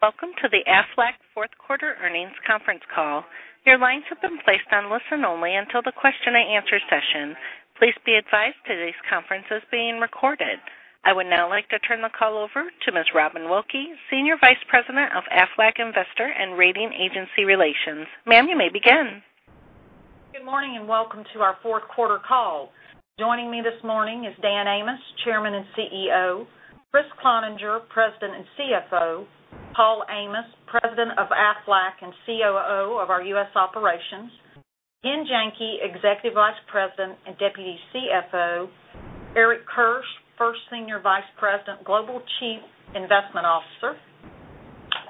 Welcome to the Aflac fourth quarter earnings conference call. Your lines have been placed on listen-only until the question and answer session. Please be advised today's conference is being recorded. I would now like to turn the call over to Ms. Robin Wilkey, Senior Vice President of Aflac Investor and Rating Agency Relations. Ma'am, you may begin. Good morning. Welcome to our fourth quarter call. Joining me this morning is Dan Amos, Chairman and CEO, Kriss Cloninger, President and CFO, Paul Amos, President of Aflac and COO of our U.S. operations, Ken Janke, Executive Vice President and Deputy CFO, Eric Kirsch, First Senior Vice President, Global Chief Investment Officer,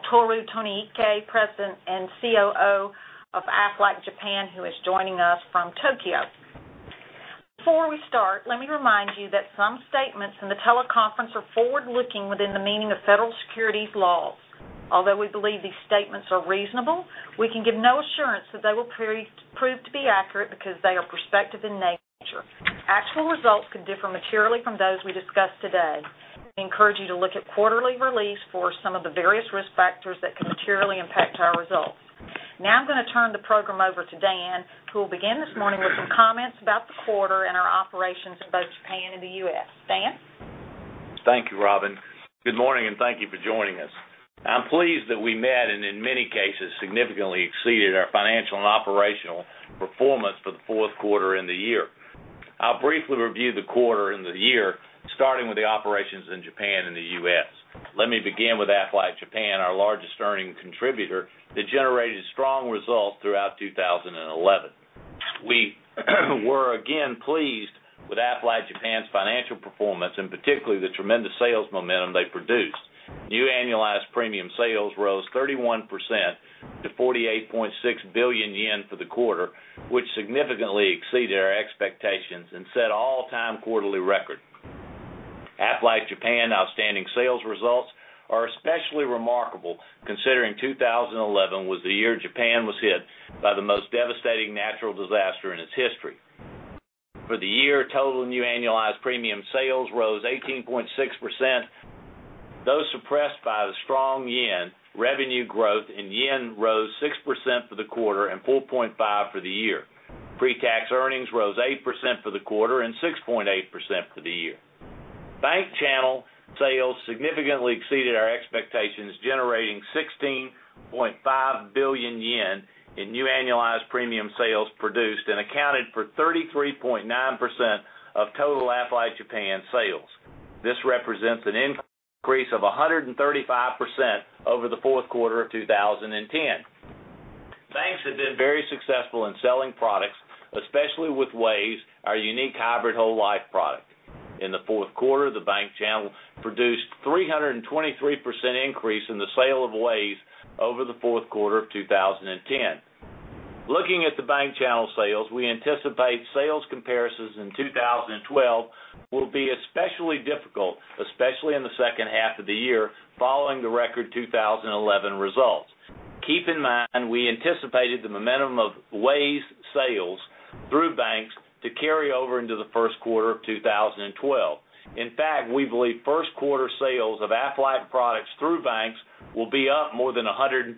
Tohru Tonoike, President and COO of Aflac Japan, who is joining us from Tokyo. Before we start, let me remind you that some statements in the teleconference are forward-looking within the meaning of federal securities laws. Although we believe these statements are reasonable, we can give no assurance that they will prove to be accurate because they are prospective in nature. Actual results could differ materially from those we discuss today. I encourage you to look at quarterly release for some of the various risk factors that can materially impact our results. I'm going to turn the program over to Dan, who will begin this morning with some comments about the quarter and our operations in both Japan and the U.S. Dan? Thank you, Robin. Good morning. Thank you for joining us. I'm pleased that we met and in many cases, significantly exceeded our financial and operational performance for the fourth quarter and the year. I'll briefly review the quarter and the year, starting with the operations in Japan and the U.S. Let me begin with Aflac Japan, our largest earning contributor that generated strong results throughout 2011. We were again pleased with Aflac Japan's financial performance and particularly the tremendous sales momentum they produced. New annualized premium sales rose 31% to 48.6 billion yen for the quarter, which significantly exceeded our expectations and set a all-time quarterly record. Aflac Japan outstanding sales results are especially remarkable considering 2011 was the year Japan was hit by the most devastating natural disaster in its history. For the year, total new annualized premium sales rose 18.6%. Though suppressed by the strong JPY, revenue growth in JPY rose 6% for the quarter and 4.5% for the year. Pre-tax earnings rose 8% for the quarter and 6.8% for the year. Bank channel sales significantly exceeded our expectations, generating 16.5 billion yen in new annualized premium sales produced and accounted for 33.9% of total Aflac Japan sales. This represents an increase of 135% over the fourth quarter of 2010. Banks have been very successful in selling products, especially with WAYS, our unique hybrid whole life product. In the fourth quarter, the bank channel produced 323% increase in the sale of WAYS over the fourth quarter of 2010. Looking at the bank channel sales, we anticipate sales comparisons in 2012 will be especially difficult, especially in the second half of the year following the record 2011 results. Keep in mind, we anticipated the momentum of WAYS sales through banks to carry over into the first quarter of 2012. In fact, we believe first quarter sales of Aflac products through banks will be up more than 150%.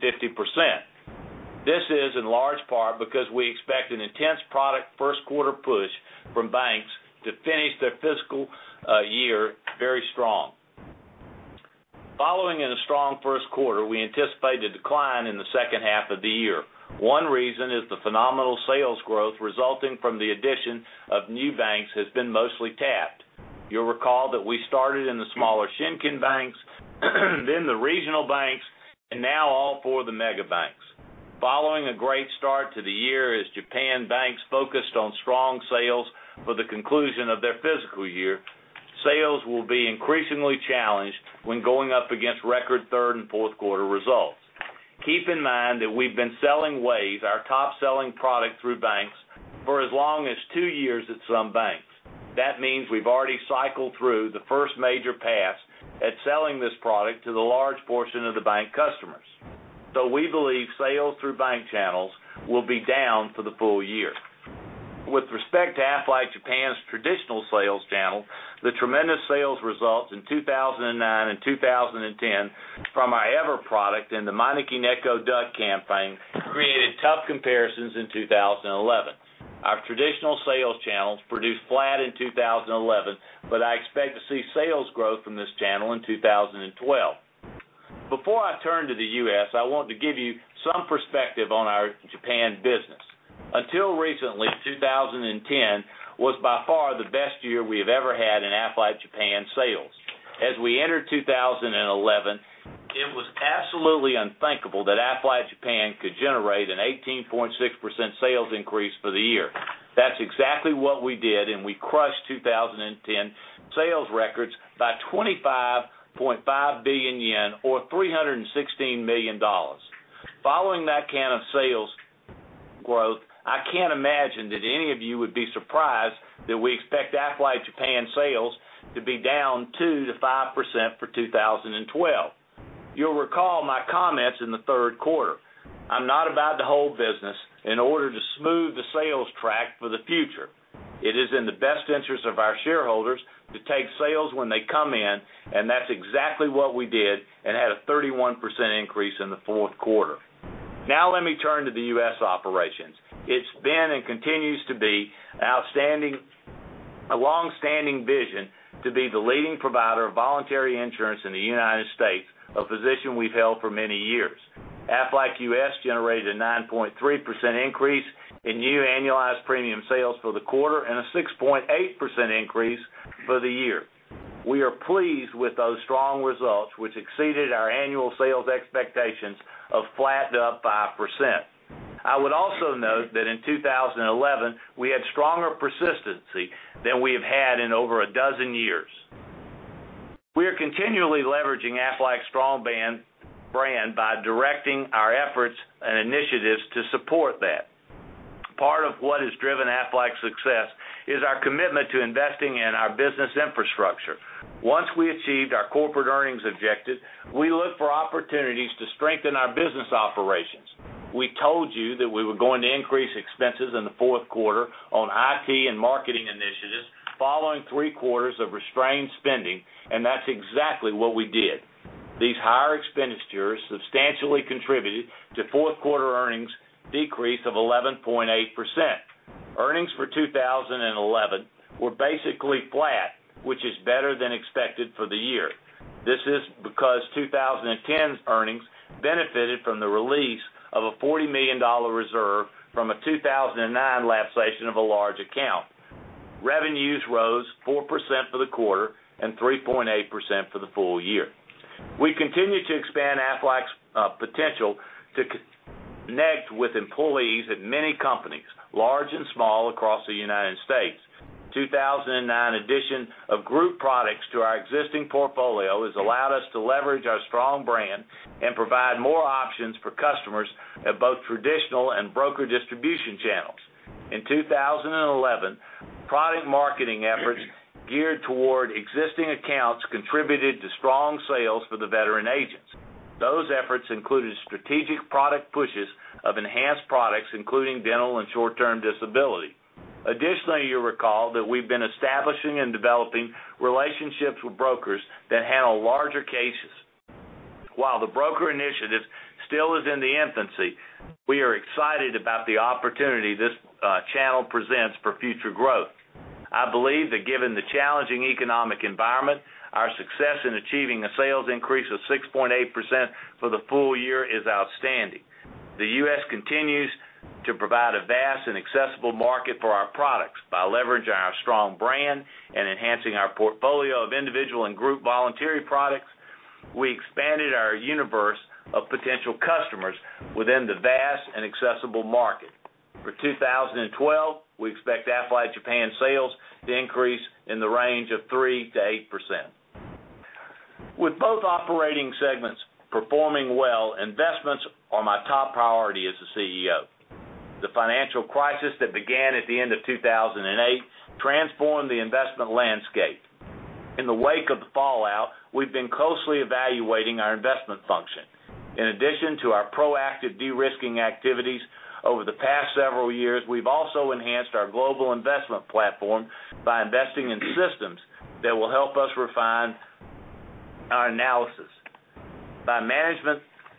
This is in large part because we expect an intense product first quarter push from banks to finish their fiscal year very strong. Following in a strong first quarter, we anticipate a decline in the second half of the year. One reason is the phenomenal sales growth resulting from the addition of new banks has been mostly tapped. You'll recall that we started in the smaller Shinkin banks, then the regional banks, and now all four of the mega banks. Following a great start to the year as Japan banks focused on strong sales for the conclusion of their fiscal year, sales will be increasingly challenged when going up against record third and fourth quarter results. Keep in mind that we've been selling WAYS, our top-selling product through banks, for as long as two years at some banks. That means we've already cycled through the first major pass at selling this product to the large portion of the bank customers. We believe sales through bank channels will be down for the full year. With respect to Aflac Japan's traditional sales channel, the tremendous sales results in 2009 and 2010 from our EVER product and the Maneki Neko Duck campaign created tough comparisons in 2011. Our traditional sales channels produced flat in 2011, but I expect to see sales growth from this channel in 2012. Before I turn to the U.S., I want to give you some perspective on our Japan business. Until recently, 2010 was by far the best year we have ever had in Aflac Japan sales. As we entered 2011, it was absolutely unthinkable that Aflac Japan could generate an 18.6% sales increase for the year. That's exactly what we did, and we crushed 2010 sales records by 25.5 billion yen, or $316 million. Following that kind of sales growth, I can't imagine that any of you would be surprised that we expect Aflac Japan sales to be down 2%-5% for 2012. You'll recall my comments in the third quarter. I'm not about to hold business in order to smooth the sales track for the future. It is in the best interest of our shareholders to take sales when they come in, and that's exactly what we did and had a 31% increase in the fourth quarter. Now let me turn to the U.S. operations. It's been and continues to be a longstanding vision to be the leading provider of voluntary insurance in the United States, a position we've held for many years. Aflac U.S. generated a 9.3% increase in new annualized premium sales for the quarter and a 6.8% increase for the year. We are pleased with those strong results, which exceeded our annual sales expectations of flat to up 5%. I would also note that in 2011, we had stronger persistency than we have had in over a dozen years. We are continually leveraging Aflac's strong brand by directing our efforts and initiatives to support that. Part of what has driven Aflac's success is our commitment to investing in our business infrastructure. Once we achieved our corporate earnings objective, we look for opportunities to strengthen our business operations. We told you that we were going to increase expenses in the fourth quarter on IT and marketing initiatives following three quarters of restrained spending, and that's exactly what we did. These higher expenditures substantially contributed to fourth quarter earnings decrease of 11.8%. Earnings for 2011 were basically flat, which is better than expected for the year. This is because 2010's earnings benefited from the release of a $40 million reserve from a 2009 lapsation of a large account. Revenues rose 4% for the quarter and 3.8% for the full year. We continue to expand Aflac's potential to connect with employees at many companies, large and small, across the United States. 2009 addition of group products to our existing portfolio has allowed us to leverage our strong brand and provide more options for customers at both traditional and broker distribution channels. In 2011, product marketing efforts geared toward existing accounts contributed to strong sales for the veteran agents. Those efforts included strategic product pushes of enhanced products, including dental and short-term disability. Additionally, you'll recall that we've been establishing and developing relationships with brokers that handle larger cases. While the broker initiative still is in the infancy, we are excited about the opportunity this channel presents for future growth. I believe that given the challenging economic environment, our success in achieving a sales increase of 6.8% for the full year is outstanding. The U.S. continues to provide a vast and accessible market for our products by leveraging our strong brand and enhancing our portfolio of individual and group voluntary products. We expanded our universe of potential customers within the vast and accessible market. For 2012, we expect Aflac Japan sales to increase in the range of 3%-8%. With both operating segments performing well, investments are my top priority as the CEO. The financial crisis that began at the end of 2008 transformed the investment landscape. In the wake of the fallout, we've been closely evaluating our investment function. In addition to our proactive de-risking activities over the past several years, we've also enhanced our global investment platform by investing in systems that will help us refine our analysis.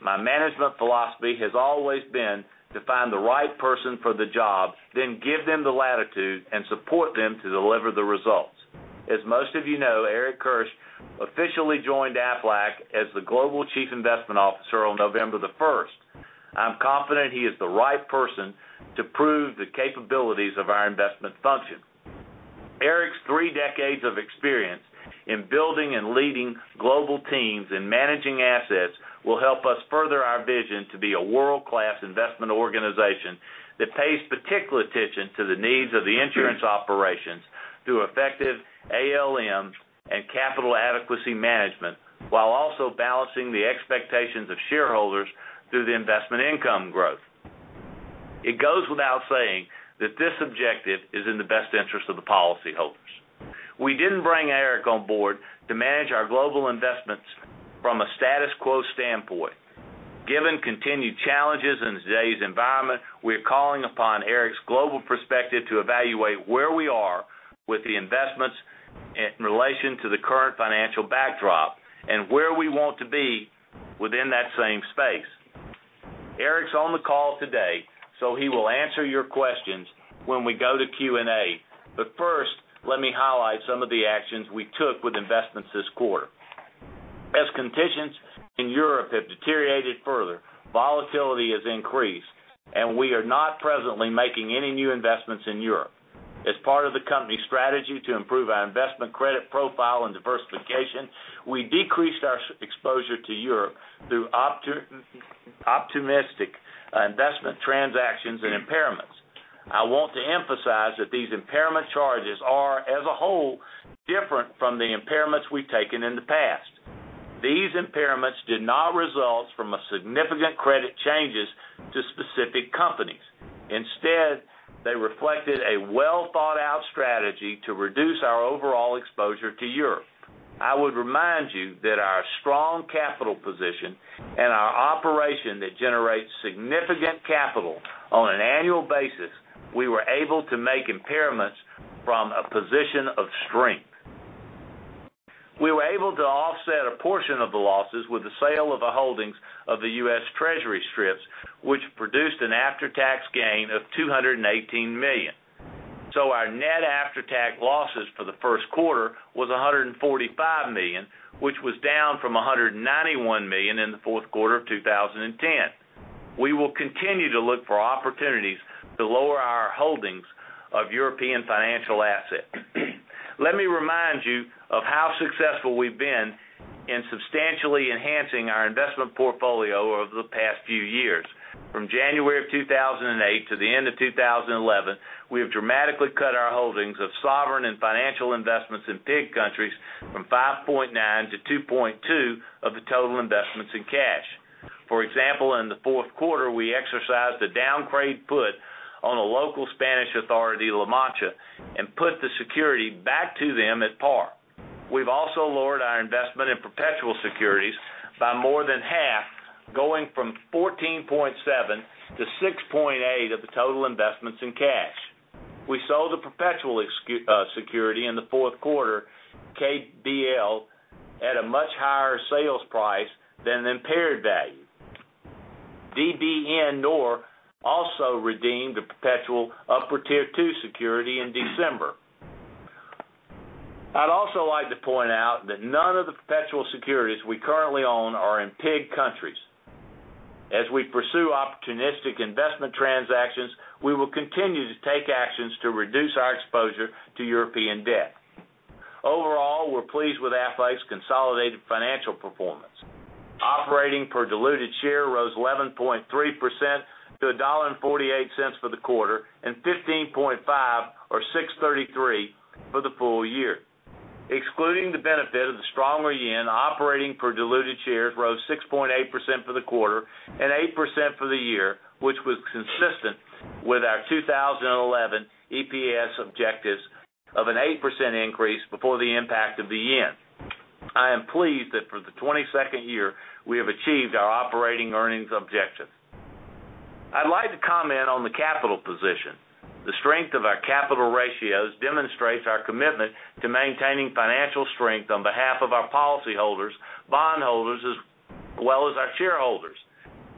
My management philosophy has always been to find the right person for the job, then give them the latitude and support them to deliver the results. As most of you know, Eric Kirsch officially joined Aflac as the Global Chief Investment Officer on November the 1st. I'm confident he is the right person to prove the capabilities of our investment function. Eric's three decades of experience in building and leading global teams in managing assets will help us further our vision to be a world-class investment organization that pays particular attention to the needs of the insurance operations through effective ALM and capital adequacy management, while also balancing the expectations of shareholders through the investment income growth. It goes without saying that this objective is in the best interest of the policyholders. We didn't bring Eric on board to manage our global investments from a status quo standpoint. Given continued challenges in today's environment, we're calling upon Eric's global perspective to evaluate where we are with the investments in relation to the current financial backdrop and where we want to be within that same space. Eric's on the call today, he will answer your questions when we go to Q&A. First, let me highlight some of the actions we took with investments this quarter. As conditions in Europe have deteriorated further, volatility has increased, and we are not presently making any new investments in Europe. As part of the company's strategy to improve our investment credit profile and diversification, we decreased our exposure to Europe through opportunistic investment transactions and impairments. I want to emphasize that these impairment charges are, as a whole, different from the impairments we've taken in the past. These impairments did not result from significant credit changes to specific companies. Instead reflected a well-thought-out strategy to reduce our overall exposure to Europe. I would remind you that our strong capital position and our operation that generates significant capital on an annual basis, we were able to make impairments from a position of strength. We were able to offset a portion of the losses with the sale of holdings of the US Treasury strips, which produced an after-tax gain of $218 million. Our net after-tax losses for the first quarter was $145 million, which was down from $191 million in the fourth quarter of 2010. We will continue to look for opportunities to lower our holdings of European financial assets. Let me remind you of how successful we've been in substantially enhancing our investment portfolio over the past few years. From January of 2008 to the end of 2011, we have dramatically cut our holdings of sovereign and financial investments in PIGS countries from 5.9 to 2.2 of the total investments in cash. For example, in the fourth quarter, we exercised a downgrade put on a local Spanish authority, La Mancha, and put the security back to them at par. We've also lowered our investment in perpetual securities by more than half, going from 14.7 to 6.8 of the total investments in cash. We sold the perpetual security in the fourth quarter, KBC, at a much higher sales price than the impaired value. DnB NOR also redeemed the perpetual upper Tier 2 security in December. I'd also like to point out that none of the perpetual securities we currently own are in PIGS countries. As we pursue opportunistic investment transactions, we will continue to take actions to reduce our exposure to European debt. Overall, we're pleased with Aflac's consolidated financial performance. Operating per diluted share rose 11.3% to $1.48 for the quarter and 15.5 or $6.33 for the full year. Excluding the benefit of the stronger yen, operating per diluted shares rose 6.8% for the quarter and 8% for the year, which was consistent with our 2011 EPS objectives of an 8% increase before the impact of the yen. I am pleased that for the 22nd year, we have achieved our operating earnings objectives. I'd like to comment on the capital position. The strength of our capital ratios demonstrates our commitment to maintaining financial strength on behalf of our policyholders, bondholders, as well as our shareholders.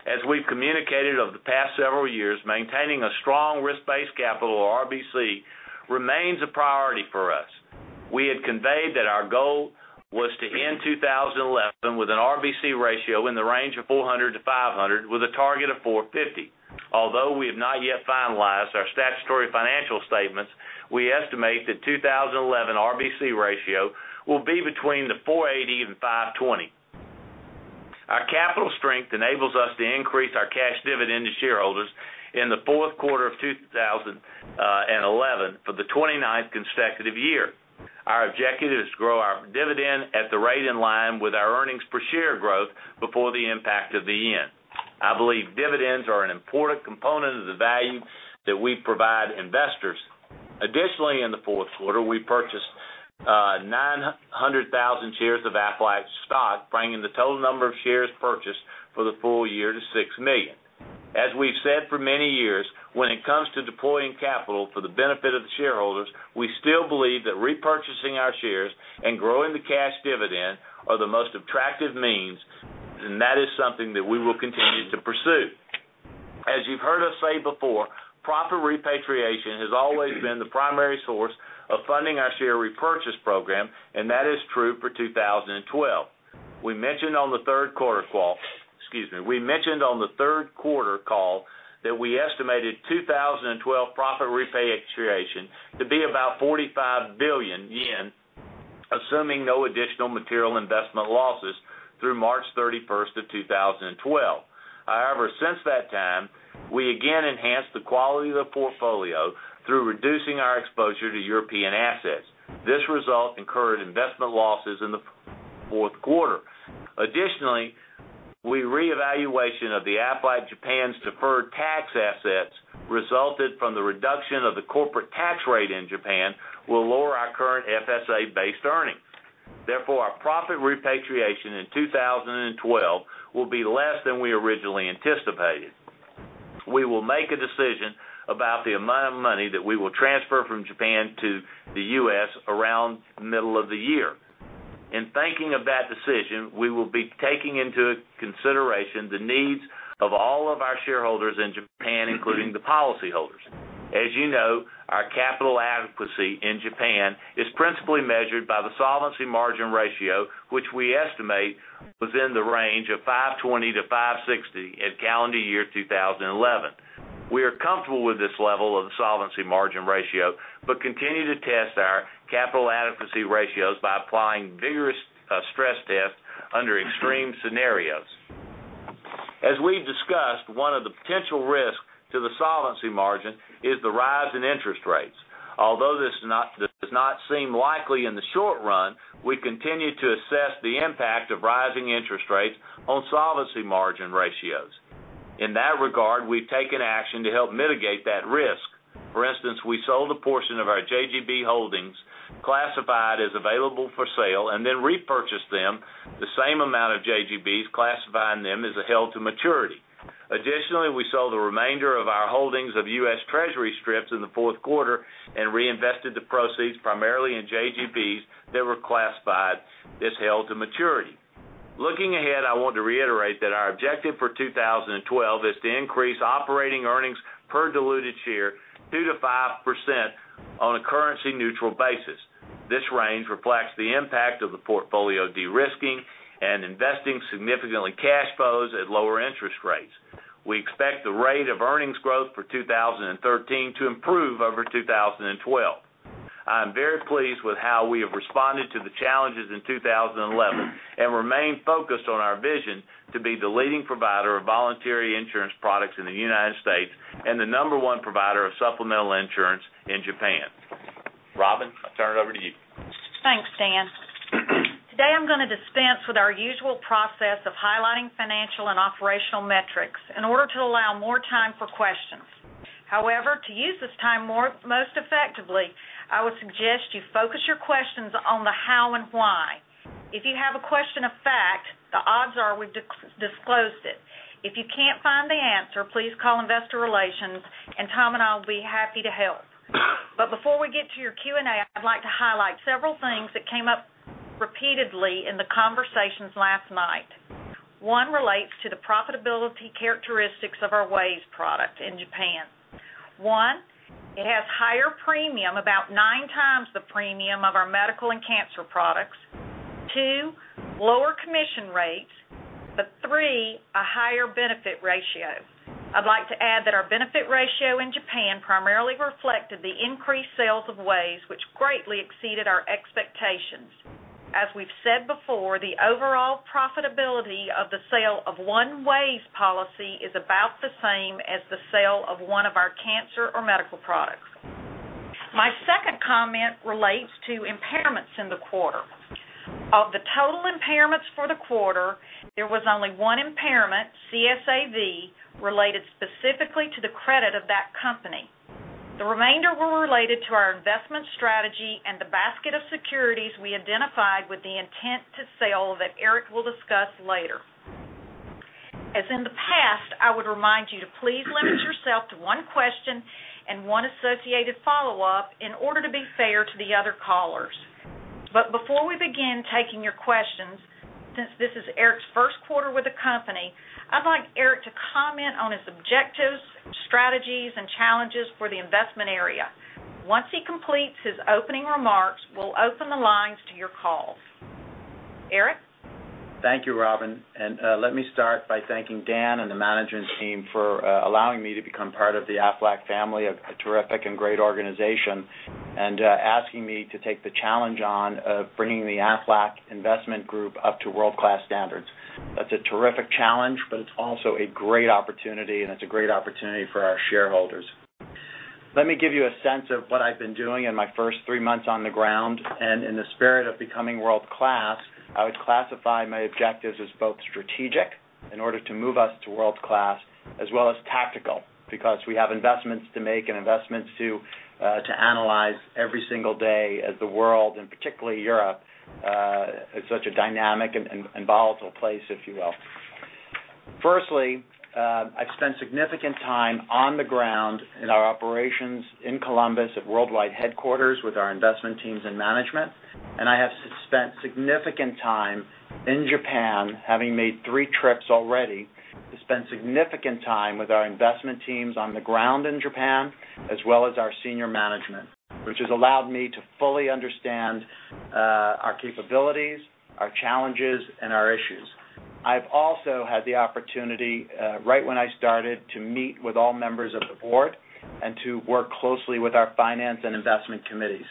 As we've communicated over the past several years, maintaining a strong risk-based capital, or RBC, remains a priority for us. We had conveyed that our goal was to end 2011 with an RBC ratio in the range of 400-500 with a target of 450. Although we have not yet finalized our statutory financial statements, we estimate the 2011 RBC ratio will be between the 480 and 520. Our capital strength enables us to increase our cash dividend to shareholders in the fourth quarter of 2011 for the 29th consecutive year. Our objective is to grow our dividend at the rate in line with our earnings per share growth before the impact of the yen. I believe dividends are an important component of the value that we provide investors. Additionally, in the fourth quarter, we purchased 900,000 shares of Aflac stock, bringing the total number of shares purchased for the full year to 6 million. That is something that we will continue to pursue. As you've heard us say before, profit repatriation has always been the primary source of funding our share repurchase program. That is true for 2012. We mentioned on the third quarter call that we estimated 2012 profit repatriation to be about 45 billion yen, assuming no additional material investment losses through March 31st of 2012. However, since that time, we again enhanced the quality of the portfolio through reducing our exposure to European assets. This result incurred investment losses in the fourth quarter. Additionally, we reevaluation of the Aflac Japan's deferred tax assets resulted from the reduction of the corporate tax rate in Japan will lower our current FSA-based earnings. Therefore, our profit repatriation in 2012 will be less than we originally anticipated. We will make a decision about the amount of money that we will transfer from Japan to the U.S. around middle of the year. In thinking of that decision, we will be taking into consideration the needs of all of our shareholders in Japan, including the policyholders. As you know, our capital adequacy in Japan is principally measured by the solvency margin ratio, which we estimate was in the range of 520-560 at calendar year 2011. We are comfortable with this level of the solvency margin ratio but continue to test our capital adequacy ratios by applying vigorous stress tests under extreme scenarios. As we've discussed, one of the potential risks to the solvency margin is the rise in interest rates. Although this does not seem likely in the short run, we continue to assess the impact of rising interest rates on solvency margin ratios. In that regard, we've taken action to help mitigate that risk. For instance, we sold a portion of our JGB holdings classified as available for sale, and then repurchased them, the same amount of JGBs, classifying them as a held to maturity. Additionally, we sold the remainder of our holdings of U.S. Treasury strips in the fourth quarter and reinvested the proceeds primarily in JGBs that were classified as held to maturity. Looking ahead, I want to reiterate that our objective for 2012 is to increase operating earnings per diluted share 2%-5% on a currency neutral basis. This range reflects the impact of the portfolio de-risking and investing significantly cash flows at lower interest rates. We expect the rate of earnings growth for 2013 to improve over 2012. I am very pleased with how we have responded to the challenges in 2011 and remain focused on our vision to be the leading provider of voluntary insurance products in the U.S. and the number one provider of supplemental insurance in Japan. Robin, I'll turn it over to you. Thanks, Dan. Today I'm going to dispense with our usual process of highlighting financial and operational metrics in order to allow more time for questions. However, to use this time most effectively, I would suggest you focus your questions on the how and why. If you have a question of fact, the odds are we've disclosed it. If you can't find the answer, please call investor relations, and Tom and I will be happy to help. Before we get to your Q&A, I'd like to highlight several things that came up repeatedly in the conversations last night. One relates to the profitability characteristics of our WAYS product in Japan. One, it has higher premium, about nine times the premium of our medical and cancer products. Two, lower commission rates, but three, a higher benefit ratio. I'd like to add that our benefit ratio in Japan primarily reflected the increased sales of WAYS, which greatly exceeded our expectations. As we've said before, the overall profitability of the sale of one WAYS policy is about the same as the sale of one of our cancer or medical products. My second comment relates to impairments in the quarter. Of the total impairments for the quarter, there was only one impairment, CSAV, related specifically to the credit of that company. The remainder were related to our investment strategy and the basket of securities we identified with the intent to sell that Eric will discuss later. As in the past, I would remind you to please limit yourself to one question and one associated follow-up in order to be fair to the other callers. Before we begin taking your questions, since this is Eric's first quarter with the company, I'd like Eric to comment on his objectives, strategies, and challenges for the investment area. Once he completes his opening remarks, we'll open the lines to your calls. Eric? Thank you, Robin, let me start by thanking Dan and the management team for allowing me to become part of the Aflac family, a terrific and great organization, and asking me to take the challenge on of bringing the Aflac investment group up to world-class standards. That's a terrific challenge, but it's also a great opportunity, and it's a great opportunity for our shareholders. Let me give you a sense of what I've been doing in my first three months on the ground. In the spirit of becoming world-class, I would classify my objectives as both strategic in order to move us to world-class, as well as tactical, because we have investments to make and investments to analyze every single day as the world, and particularly Europe, is such a dynamic and volatile place, if you will. Firstly, I've spent significant time on the ground in our operations in Columbus at worldwide headquarters with our investment teams and management, I have spent significant time in Japan, having made three trips already to spend significant time with our investment teams on the ground in Japan, as well as our senior management, which has allowed me to fully understand our capabilities, our challenges, and our issues. I've also had the opportunity, right when I started, to meet with all members of the board and to work closely with our finance and investment committees.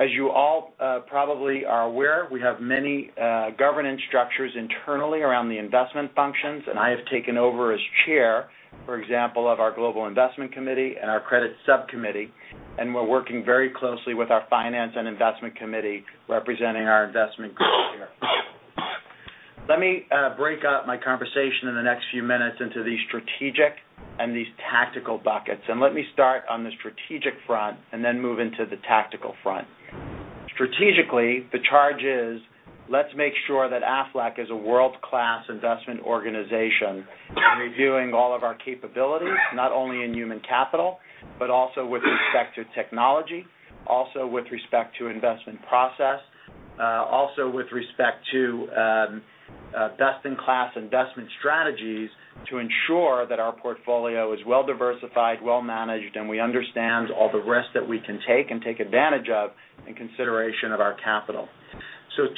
You all probably are aware, we have many governance structures internally around the investment functions, I have taken over as chair, for example, of our global investment committee and our credit subcommittee, we're working very closely with our finance and investment committee representing our investment group here. Let me break up my conversation in the next few minutes into these strategic and these tactical buckets, let me start on the strategic front, move into the tactical front. Strategically, the charge is let's make sure that Aflac is a world-class investment organization, reviewing all of our capabilities, not only in human capital, but also with respect to technology, also with respect to investment process, also with respect to best in class investment strategies to ensure that our portfolio is well diversified, well managed, we understand all the risks that we can take and take advantage of in consideration of our capital.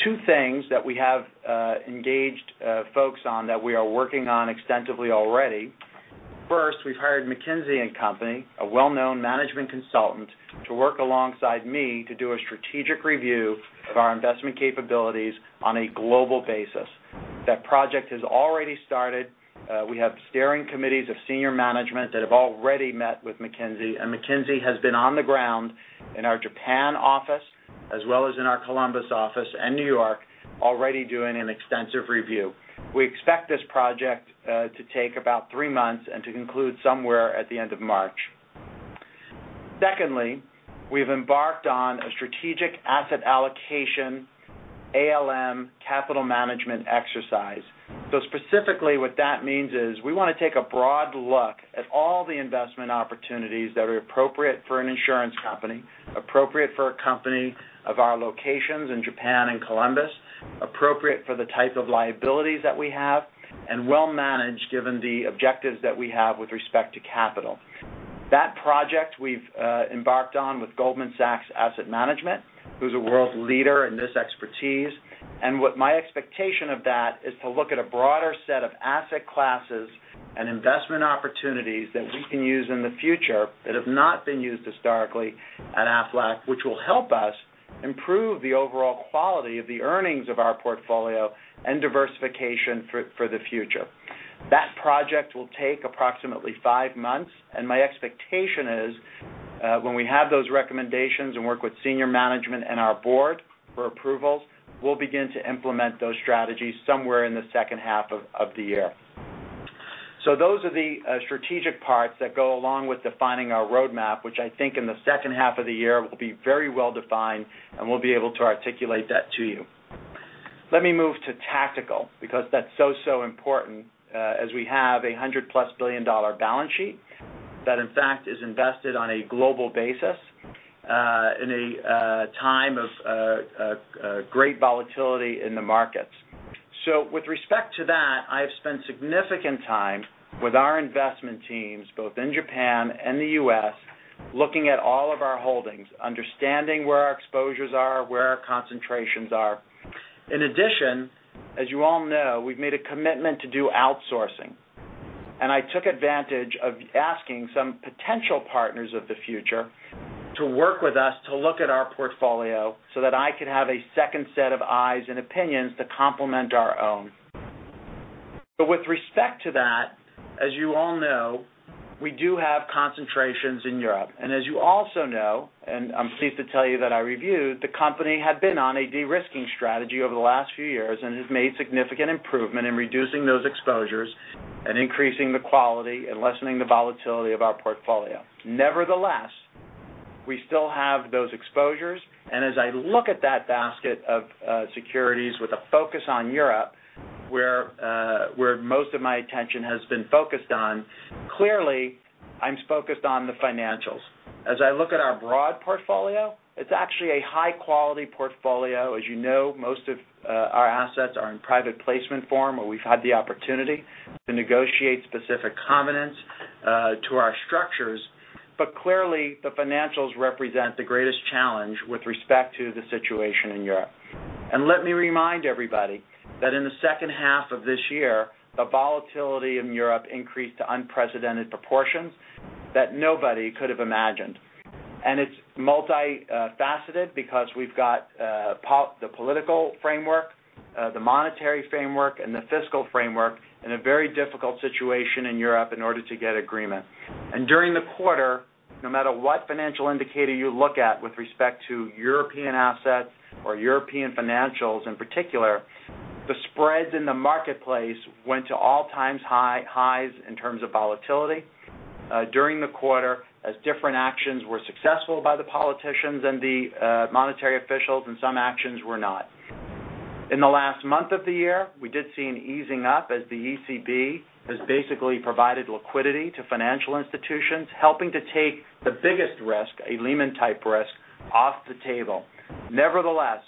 Two things that we have engaged folks on that we are working on extensively already. First, we've hired McKinsey & Company, a well-known management consultant, to work alongside me to do a strategic review of our investment capabilities on a global basis. That project has already started. We have steering committees of senior management that have already met with McKinsey, and McKinsey has been on the ground in our Japan office, as well as in our Columbus office and New York, already doing an extensive review. We expect this project to take about three months and to conclude somewhere at the end of March. Secondly, we've embarked on a strategic asset allocation ALM capital management exercise. Specifically what that means is we want to take a broad look at all the investment opportunities that are appropriate for an insurance company, appropriate for a company of our locations in Japan and Columbus, appropriate for the type of liabilities that we have, and well managed given the objectives that we have with respect to capital. That project we've embarked on with Goldman Sachs Asset Management, who's a world leader in this expertise. What my expectation of that is to look at a broader set of asset classes and investment opportunities that we can use in the future that have not been used historically at Aflac, which will help us improve the overall quality of the earnings of our portfolio and diversification for the future. That project will take approximately five months, and my expectation is, when we have those recommendations and work with senior management and our board for approvals, we'll begin to implement those strategies somewhere in the second half of the year. Those are the strategic parts that go along with defining our roadmap, which I think in the second half of the year will be very well-defined, and we'll be able to articulate that to you. Let me move to tactical, because that's so important, as we have a $100+ billion balance sheet that, in fact, is invested on a global basis, in a time of great volatility in the markets. With respect to that, I have spent significant time with our investment teams, both in Japan and the U.S., looking at all of our holdings, understanding where our exposures are, where our concentrations are. In addition, as you all know, we've made a commitment to do outsourcing, and I took advantage of asking some potential partners of the future to work with us to look at our portfolio so that I could have a second set of eyes and opinions to complement our own. With respect to that, as you all know, we do have concentrations in Europe. As you also know, and I'm pleased to tell you that I reviewed, the company had been on a de-risking strategy over the last few years and has made significant improvement in reducing those exposures and increasing the quality and lessening the volatility of our portfolio. Nevertheless, we still have those exposures, and as I look at that basket of securities with a focus on Europe, where most of my attention has been focused on, clearly I'm focused on the financials. As I look at our broad portfolio, it's actually a high-quality portfolio. As you know, most of our assets are in private placement form, where we've had the opportunity to negotiate specific covenants to our structures. Clearly, the financials represent the greatest challenge with respect to the situation in Europe. Let me remind everybody that in the second half of this year, the volatility in Europe increased to unprecedented proportions that nobody could have imagined. It's multifaceted because we've got the political framework, the monetary framework, and the fiscal framework in a very difficult situation in Europe in order to get agreement. During the quarter, no matter what financial indicator you look at with respect to European assets or European financials in particular, the spreads in the marketplace went to all-time highs in terms of volatility during the quarter, as different actions were successful by the politicians and the monetary officials and some actions were not. In the last month of the year, we did see an easing up as the ECB has basically provided liquidity to financial institutions, helping to take the biggest risk, a Lehman-type risk, off the table. Nevertheless,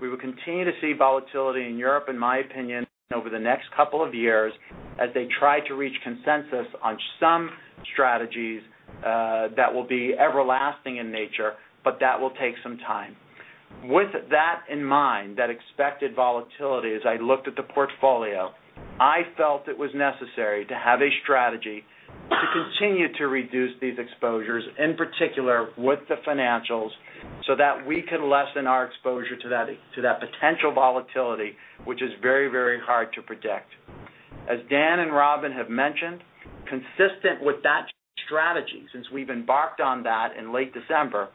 we will continue to see volatility in Europe, in my opinion, over the next couple of years as they try to reach consensus on some strategies that will be everlasting in nature, but that will take some time. With that in mind, that expected volatility, as I looked at the portfolio, I felt it was necessary to have a strategy to continue to reduce these exposures, in particular with the financials, so that we could lessen our exposure to that potential volatility, which is very hard to predict. As Dan and Robin have mentioned, consistent with that strategy, since we've embarked on that in late December,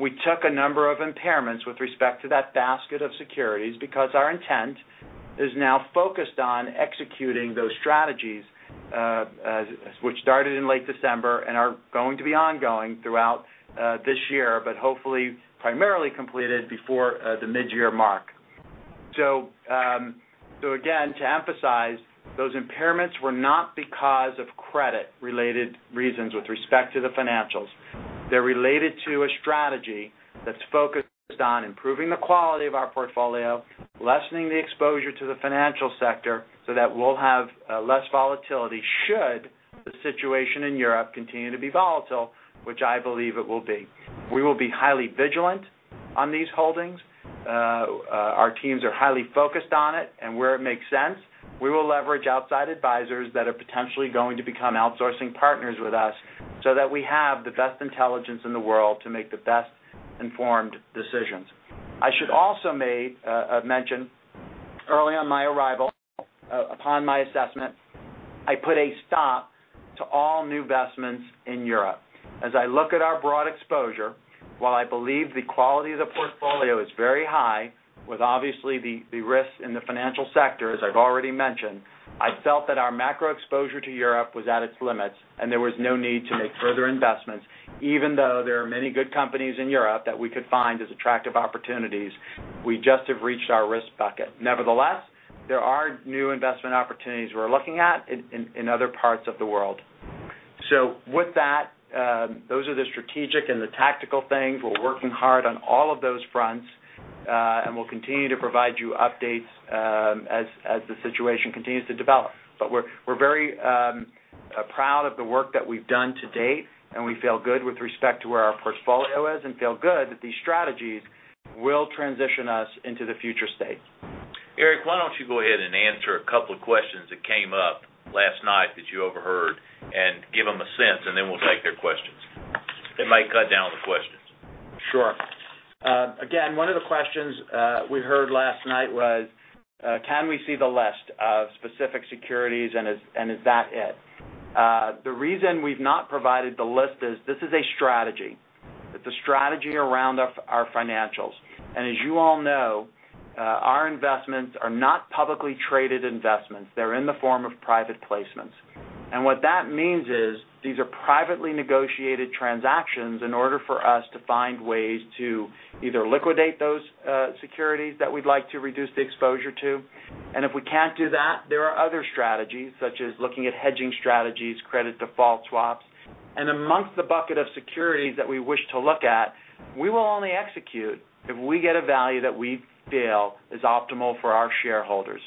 we took a number of impairments with respect to that basket of securities because our intent is now focused on executing those strategies, which started in late December and are going to be ongoing throughout this year, but hopefully primarily completed before the mid-year mark. Again, to emphasize, those impairments were not because of credit-related reasons with respect to the financials. They're related to a strategy that's focused on improving the quality of our portfolio, lessening the exposure to the financial sector so that we'll have less volatility should the situation in Europe continue to be volatile, which I believe it will be. We will be highly vigilant on these holdings. Our teams are highly focused on it, and where it makes sense, we will leverage outside advisors that are potentially going to become outsourcing partners with us so that we have the best intelligence in the world to make the best informed decisions. I should also mention, early on my arrival, upon my assessment, I put a stop to all new investments in Europe. As I look at our broad exposure, while I believe the quality of the portfolio is very high, with obviously the risks in the financial sector, as I've already mentioned, I felt that our macro exposure to Europe was at its limits, and there was no need to make further investments, even though there are many good companies in Europe that we could find as attractive opportunities. We just have reached our risk bucket. Nevertheless, there are new investment opportunities we're looking at in other parts of the world. With that, those are the strategic and the tactical things. We're working hard on all of those fronts, and we'll continue to provide you updates as the situation continues to develop. We're very proud of the work that we've done to date, and we feel good with respect to where our portfolio is and feel good that these strategies will transition us into the future state. Eric, why don't you go ahead and answer a couple of questions that came up last night that you overheard and give them a sense, and then we'll take their questions. It might cut down on the questions. Sure. Again, one of the questions we heard last night was, can we see the list of specific securities, and is that it? The reason we've not provided the list is this is a strategy. It's a strategy around our financials. As you all know, our investments are not publicly traded investments. They're in the form of private placements. What that means is these are privately negotiated transactions in order for us to find ways to either liquidate those securities that we'd like to reduce the exposure to. If we can't do that, there are other strategies such as looking at hedging strategies, credit default swaps. Amongst the bucket of securities that we wish to look at, we will only execute if we get a value that we feel is optimal for our shareholders.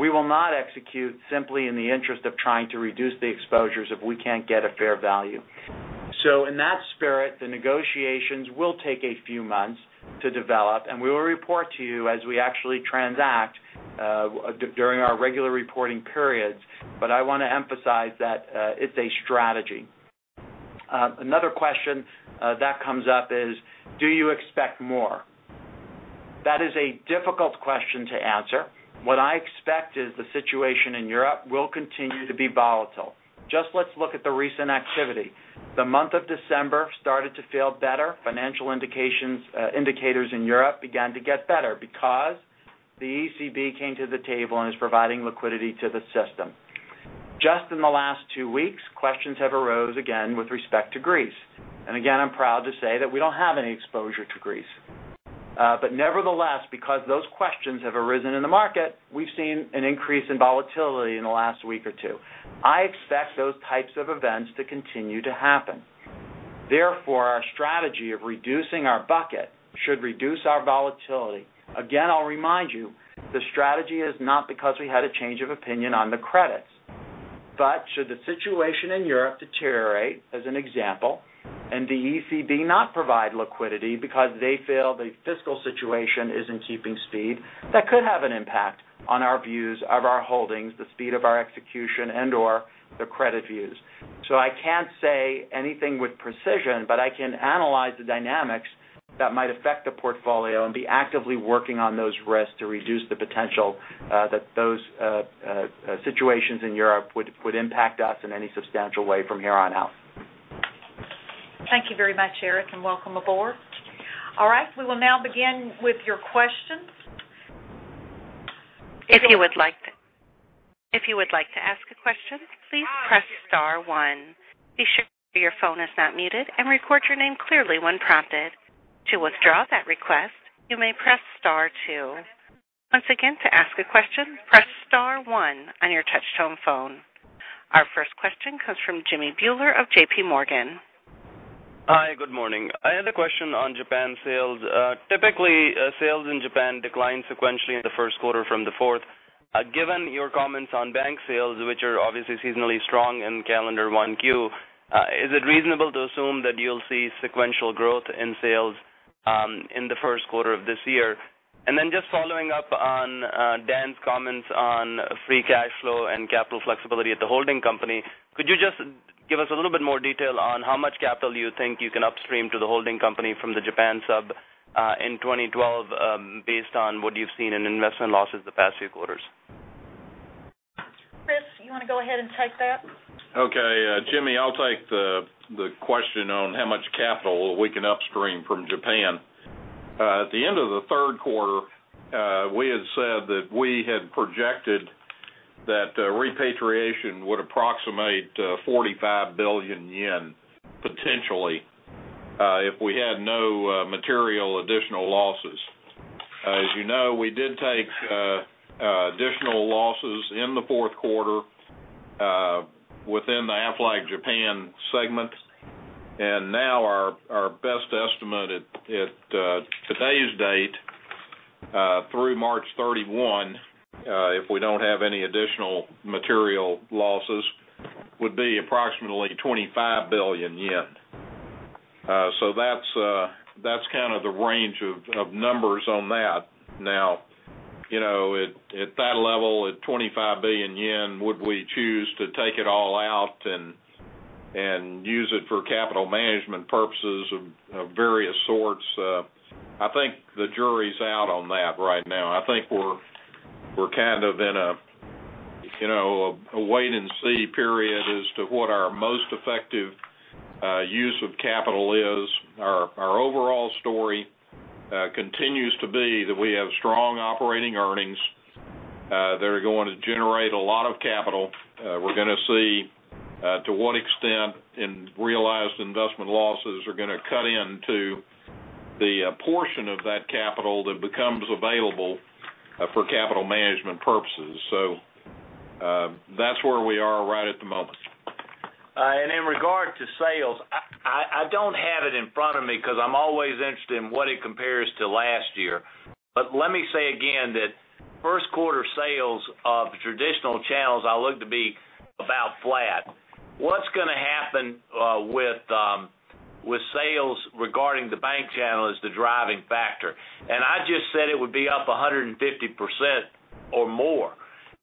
We will not execute simply in the interest of trying to reduce the exposures if we can't get a fair value. In that spirit, the negotiations will take a few months to develop, and we will report to you as we actually transact during our regular reporting periods. I want to emphasize that it's a strategy. Another question that comes up is, do you expect more? That is a difficult question to answer. What I expect is the situation in Europe will continue to be volatile. Just let's look at the recent activity. The month of December started to feel better. Financial indicators in Europe began to get better because the ECB came to the table and is providing liquidity to the system. Just in the last two weeks, questions have arose again with respect to Greece. Again, I'm proud to say that we don't have any exposure to Greece. Nevertheless, because those questions have arisen in the market, we've seen an increase in volatility in the last week or two. I expect those types of events to continue to happen. Therefore, our strategy of reducing our bucket should reduce our volatility. Again, I'll remind you, the strategy is not because we had a change of opinion on the credits. Should the situation in Europe deteriorate, as an example, and the ECB not provide liquidity because they feel the fiscal situation isn't keeping speed, that could have an impact on our views of our holdings, the speed of our execution, and/or the credit views. I can't say anything with precision, but I can analyze the dynamics that might affect the portfolio and be actively working on those risks to reduce the potential that those situations in Europe would impact us in any substantial way from here on out. Thank you very much, Eric, and welcome aboard. All right. We will now begin with your questions. If you would like to ask a question, please press star one. Be sure your phone is not muted, and record your name clearly when prompted. To withdraw that request, you may press star two. Once again, to ask a question, press star one on your touch-tone phone. Our first question comes from Jimmy Bhullar of J.P. Morgan. Hi, good morning. I had a question on Japan sales. Typically, sales in Japan decline sequentially in the first quarter from the fourth. Given your comments on bank sales, which are obviously seasonally strong in calendar 1Q, is it reasonable to assume that you'll see sequential growth in sales in the first quarter of this year? Just following up on Dan's comments on free cash flow and capital flexibility at the holding company, could you just give us a little bit more detail on how much capital you think you can upstream to the holding company from the Japan sub in 2012, based on what you've seen in investment losses the past few quarters? Kriss, you want to go ahead and take that? Okay. Jimmy, I'll take the question on how much capital we can upstream from Japan. At the end of the third quarter, we had said that we had projected that repatriation would approximate 45 billion yen, potentially, if we had no material additional losses. As you know, we did take additional losses in the fourth quarter within the Aflac Japan segment. Now our best estimate at today's date through March 31, if we don't have any additional material losses, would be approximately 25 billion yen. That's kind of the range of numbers on that now. At that level, at 25 billion yen, would we choose to take it all out and use it for capital management purposes of various sorts? I think the jury's out on that right now. I think we're in a wait and see period as to what our most effective use of capital is. Our overall story continues to be that we have strong operating earnings that are going to generate a lot of capital. We're going to see to what extent in realized investment losses are going to cut into the portion of that capital that becomes available for capital management purposes. That's where we are right at the moment. In regard to sales, I don't have it in front of me because I'm always interested in what it compares to last year. Let me say again that first quarter sales of traditional channels, I look to be about flat. What's going to happen with sales regarding the bank channel is the driving factor. I just said it would be up 150% or more.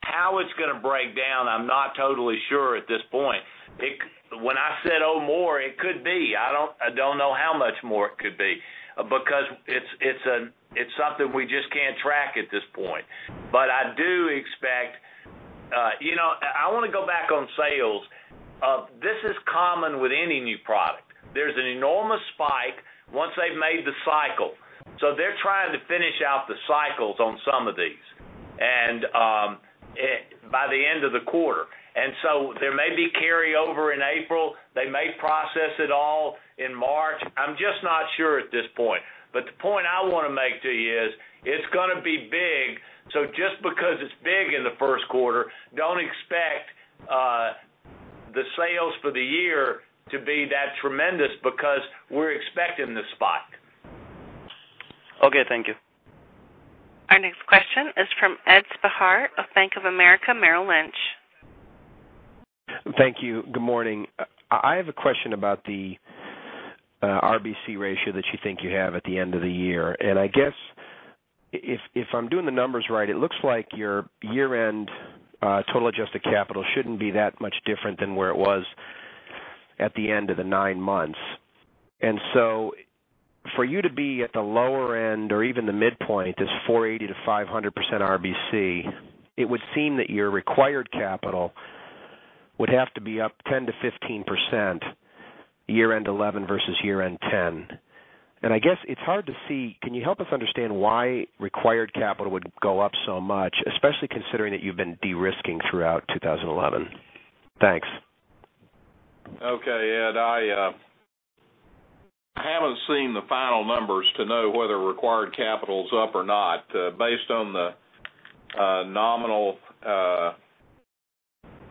How it's going to break down, I'm not totally sure at this point. When I said or more, it could be. I don't know how much more it could be, because it's something we just can't track at this point. I want to go back on sales. This is common with any new product. There's an enormous spike once they've made the cycle. They're trying to finish out the cycles on some of these by the end of the quarter. There may be carryover in April. They may process it all in March. I'm just not sure at this point. The point I want to make to you is, it's going to be big. Just because it's big in the first quarter, don't expect the sales for the year to be that tremendous because we're expecting this spike. Okay, thank you. Our next question is from Edward Spehar of Bank of America Merrill Lynch. Thank you. Good morning. I have a question about the RBC ratio that you think you have at the end of the year. I guess if I'm doing the numbers right, it looks like your year-end total adjusted capital shouldn't be that much different than where it was at the end of the nine months. For you to be at the lower end or even the midpoint, this 480%-500% RBC, it would seem that your required capital would have to be up 10%-15% year-end 2011 versus year-end 2010. I guess it's hard to see. Can you help us understand why required capital would go up so much, especially considering that you've been de-risking throughout 2011? Thanks. Okay, Ed, I haven't seen the final numbers to know whether required capital is up or not. Based on the nominal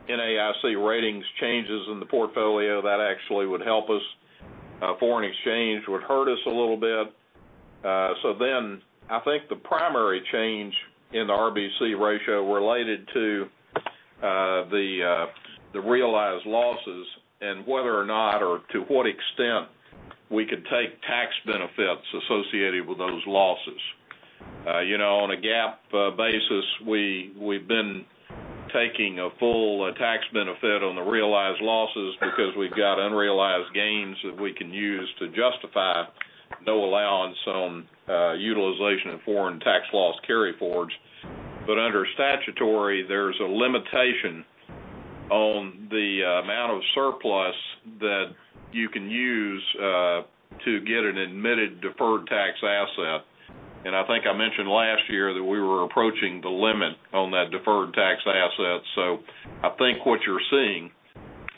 NAIC ratings changes in the portfolio, that actually would help us. Foreign exchange would hurt us a little bit. I think the primary change in the RBC ratio related to the realized losses and whether or not, or to what extent we could take tax benefits associated with those losses. On a GAAP basis, we've been taking a full tax benefit on the realized losses because we've got unrealized gains that we can use to justify no allowance on utilization of foreign tax loss carry-forwards. Under statutory, there's a limitation on the amount of surplus that you can use to get an admitted deferred tax asset. I think I mentioned last year that we were approaching the limit on that deferred tax asset. I think what you're seeing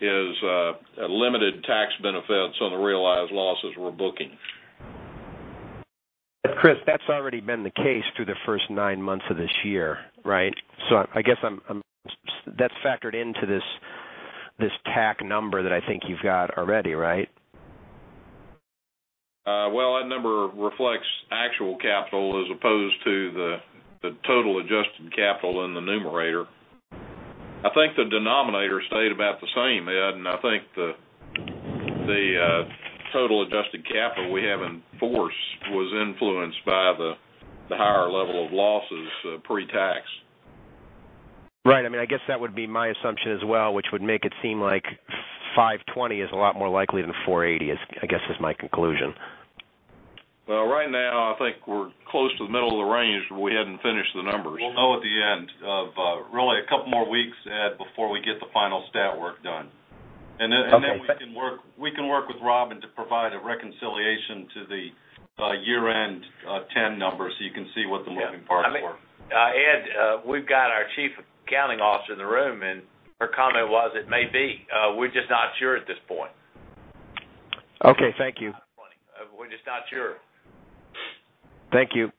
is limited tax benefits on the realized losses we're booking. Kriss, that's already been the case through the first nine months of this year, right? I guess that's factored into this TAC number that I think you've got already, right? Well, that number reflects actual capital as opposed to the total adjusted capital in the numerator. I think the denominator stayed about the same, Ed, and I think the total adjusted capital we have in force was influenced by the higher level of losses pre-tax. Right. I guess that would be my assumption as well, which would make it seem like 520 is a lot more likely than 480, I guess is my conclusion. Well, right now I think we're close to the middle of the range, we haven't finished the numbers. We'll know at the end of really a couple more weeks, Ed, before we get the final stat work done. Okay. Then we can work with Robin to provide a reconciliation to the year-end 2010 numbers so you can see what the moving parts were. Ed, we've got our Chief Accounting Officer in the room, her comment was, it may be. We're just not sure at this point. Okay, thank you. We're just not sure. Thank you.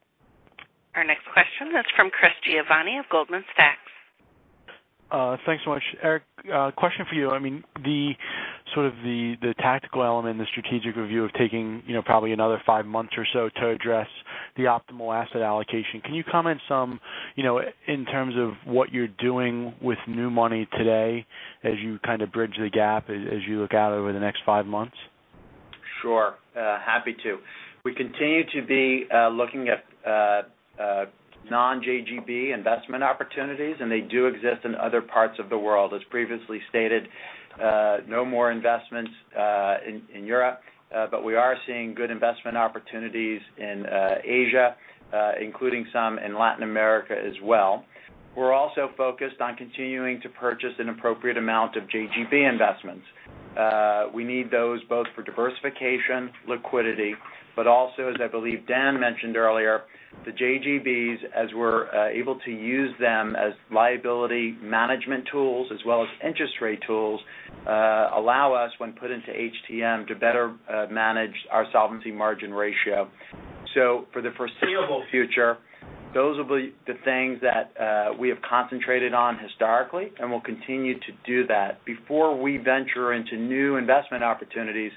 Our next question is from Christopher Giovanni of Goldman Sachs. Thanks so much. Eric, question for you. The tactical element, the strategic review of taking probably another five months or so to address the optimal asset allocation. Can you comment some in terms of what you're doing with new money today as you bridge the gap, as you look out over the next five months? Sure. Happy to. We continue to be looking at non-JGB investment opportunities, they do exist in other parts of the world. As previously stated, no more investments in Europe, we are seeing good investment opportunities in Asia, including some in Latin America as well. We are also focused on continuing to purchase an appropriate amount of JGB investments. We need those both for diversification, liquidity, also, as I believe Dan mentioned earlier, the JGBs, as we are able to use them as liability management tools as well as interest rate tools, allow us, when put into HTM, to better manage our solvency margin ratio. For the foreseeable future, those will be the things that we have concentrated on historically, and we will continue to do that. Before we venture into new investment opportunities,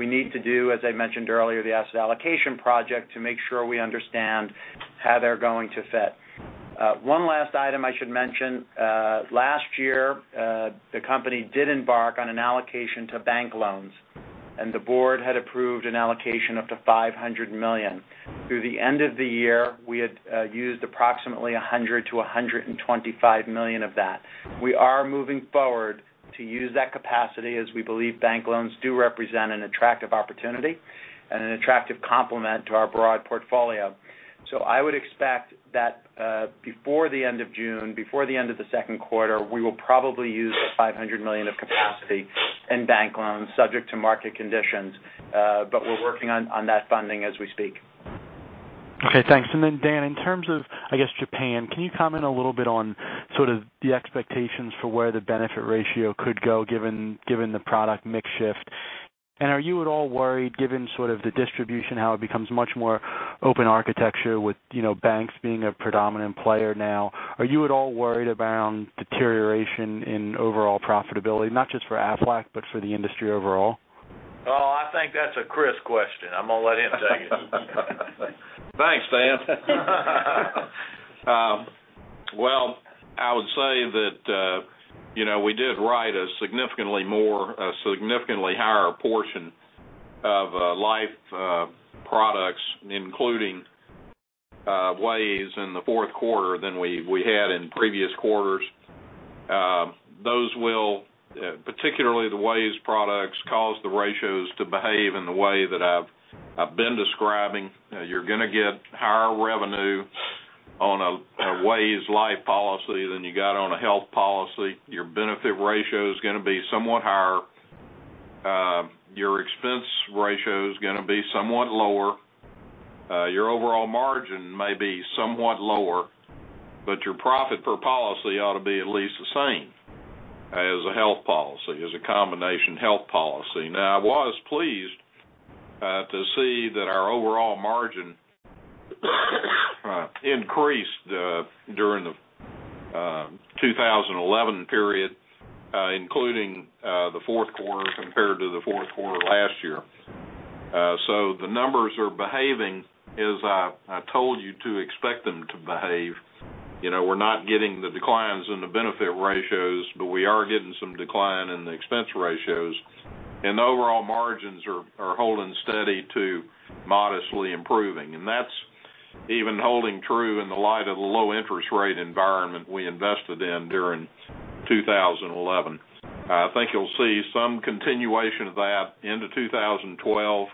we need to do, as I mentioned earlier, the asset allocation project to make sure we understand how they are going to fit. One last item I should mention. Last year, the company did embark on an allocation to bank loans, the board had approved an allocation up to $500 million. Through the end of the year, we had used approximately $100 million-$125 million of that. We are moving forward to use that capacity as we believe bank loans do represent an attractive opportunity and an attractive complement to our broad portfolio. I would expect that before the end of June, before the end of the second quarter, we will probably use the $500 million of capacity in bank loans subject to market conditions. We are working on that funding as we speak. Okay, thanks. Dan, in terms of, I guess, Japan, can you comment a little bit on sort of the expectations for where the benefit ratio could go given the product mix shift? Are you at all worried, given sort of the distribution, how it becomes much more open architecture with banks being a predominant player now? Are you at all worried around deterioration in overall profitability, not just for Aflac but for the industry overall? I think that is a Kriss question. I am going to let him take it. Thanks, Dan. Well, I would say that we did write a significantly higher portion of life products, including WAYS in the fourth quarter than we had in previous quarters. Those will, particularly the WAYS products, cause the ratios to behave in the way that I've been describing. You're going to get higher revenue on a WAYS life policy than you got on a health policy. Your benefit ratio is going to be somewhat higher. Your expense ratio is going to be somewhat lower. Your overall margin may be somewhat lower, but your profit per policy ought to be at least the same as a health policy, as a combination health policy. Now, I was pleased to see that our overall margin increased during the 2011 period, including the fourth quarter compared to the fourth quarter last year. The numbers are behaving as I told you to expect them to behave. We're not getting the declines in the benefit ratios, but we are getting some decline in the expense ratios. The overall margins are holding steady to modestly improving. That's even holding true in the light of the low interest rate environment we invested in during 2011. I think you'll see some continuation of that into 2012.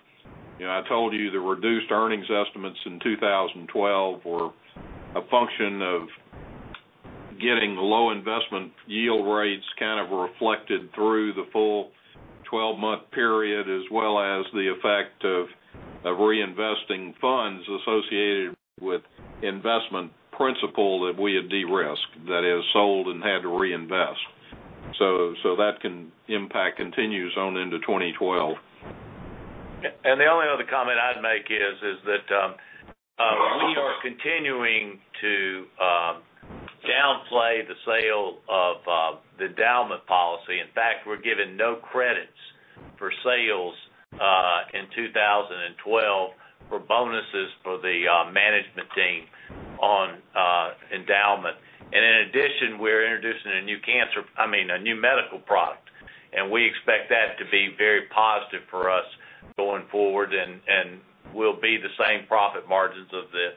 I told you the reduced earnings estimates in 2012 were a function of getting low investment yield rates kind of reflected through the full 12-month period, as well as the effect of reinvesting funds associated with investment principle that we had de-risked, that is, sold and had to reinvest. That impact continues on into 2012. The only other comment I'd make is that we are continuing to downplay the sale of the Endowment policy. In fact, we're given no credits for sales in 2012 for bonuses for the management team on Endowment. In addition, we're introducing a new medical product, and we expect that to be very positive for us going forward and will be the same profit margins of the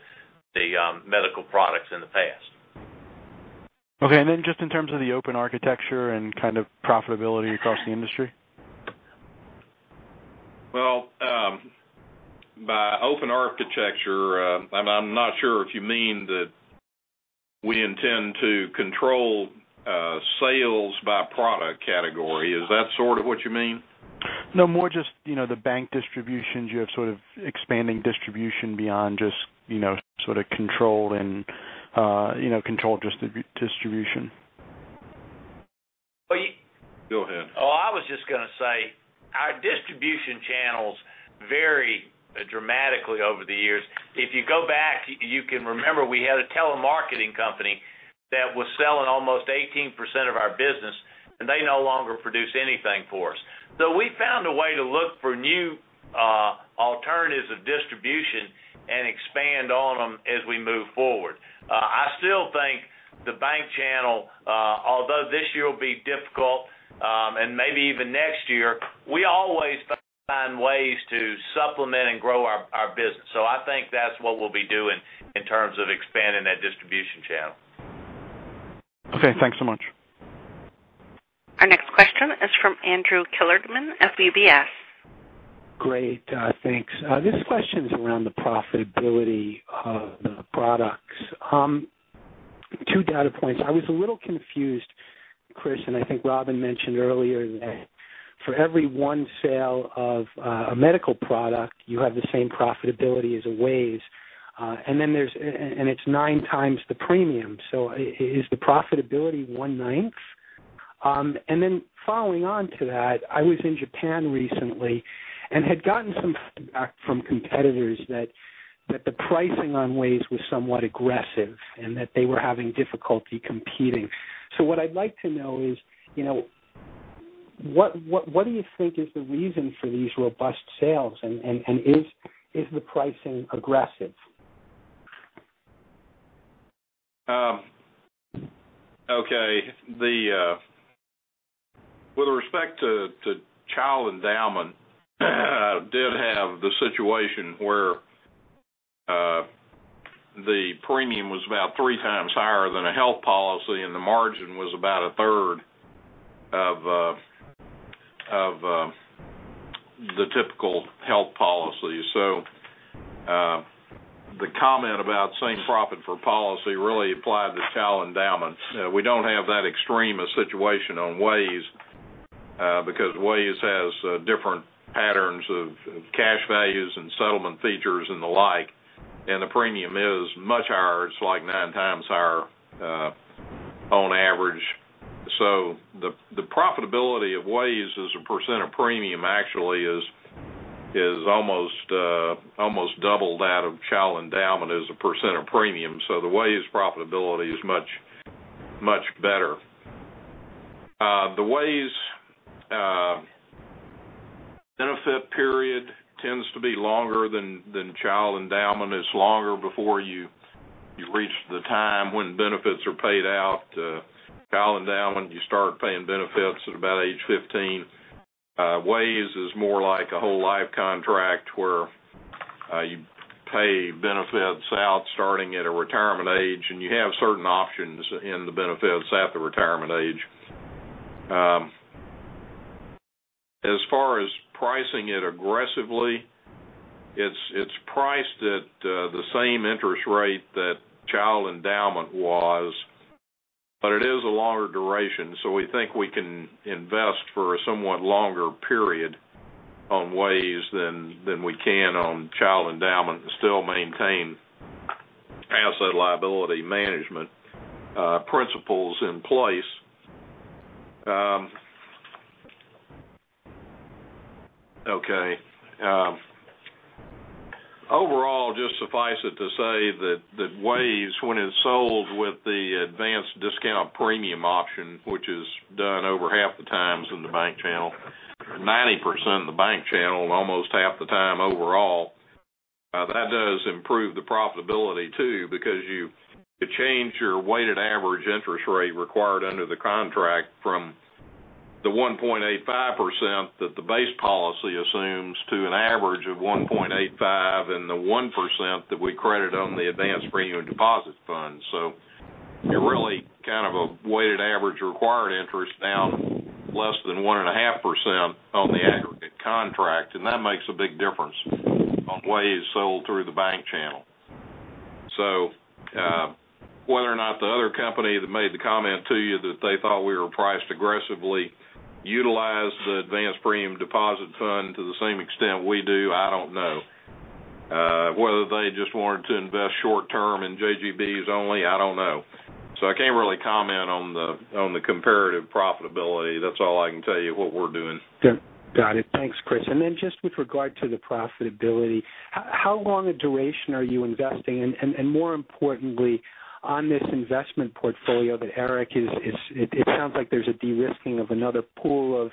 medical products in the past. Just in terms of the open architecture and kind of profitability across the industry. Well, by open architecture, I'm not sure if you mean that we intend to control sales by product category. Is that sort of what you mean? No, more just the bank distributions. You have sort of expanding distribution beyond just sort of controlled distribution. Well, you- Go ahead. I was just going to say our distribution channels vary dramatically over the years. If you go back, you can remember we had a telemarketing company that was selling almost 18% of our business, and they no longer produce anything for us. We found a way to look for new alternatives of distribution as we move forward. I still think the bank channel, although this year will be difficult, and maybe even next year, we always find ways to supplement and grow our business. I think that's what we'll be doing in terms of expanding that distribution channel. Okay, thanks so much. Our next question is from Andrew Kligerman of UBS. Great, thanks. This question's around the profitability of the products. Two data points. I was a little confused, Kriss, and I think Robin mentioned earlier that for every one sale of a medical product, you have the same profitability as a WAYS, and it's nine times the premium. Is the profitability one-ninth? Following on to that, I was in Japan recently and had gotten some feedback from competitors that the pricing on WAYS was somewhat aggressive and that they were having difficulty competing. What I'd like to know is, what do you think is the reason for these robust sales, and is the pricing aggressive? Okay. With respect to Child Endowment, did have the situation where the premium was about three times higher than a health policy, and the margin was about a third of the typical health policy. The comment about same profit for policy really applied to Child Endowment. We don't have that extreme a situation on WAYS, because WAYS has different patterns of cash values and settlement features and the like, and the premium is much higher. It's like nine times higher, on average. The profitability of WAYS as a percent of premium actually is almost double that of Child Endowment as a percent of premium. The WAYS profitability is much better. The WAYS benefit period tends to be longer than Child Endowment. It's longer before you've reached the time when benefits are paid out. Child Endowment, you start paying benefits at about age 15. WAYS is more like a whole life contract, where you pay benefits out starting at a retirement age, and you have certain options in the benefits at the retirement age. As far as pricing it aggressively, it's priced at the same interest rate that Child Endowment was, but it is a longer duration, we think we can invest for a somewhat longer period on WAYS than we can on Child Endowment and still maintain asset liability management principles in place. Okay. Overall, just suffice it to say that WAYS, when it's sold with the advanced discount premium option, which is done over half the times in the bank channel, 90% in the bank channel, almost half the time overall, that does improve the profitability too, because you change your weighted average interest rate required under the contract from the 1.85% that the base policy assumes to an average of 1.85 and the 1% that we credit on the advanced premium deposit fund. You're really kind of a weighted average required interest down less than 1.5% on the aggregate contract, and that makes a big difference on WAYS sold through the bank channel. Whether or not the other company that made the comment to you that they thought we were priced aggressively utilized the advanced premium deposit fund to the same extent we do, I don't know. Whether they just wanted to invest short term in JGBs only, I don't know. I can't really comment on the comparative profitability. That's all I can tell you what we're doing. Got it. Thanks, Kriss. Just with regard to the profitability, how long a duration are you investing? More importantly, on this investment portfolio that Eric is, it sounds like there's a de-risking of another pool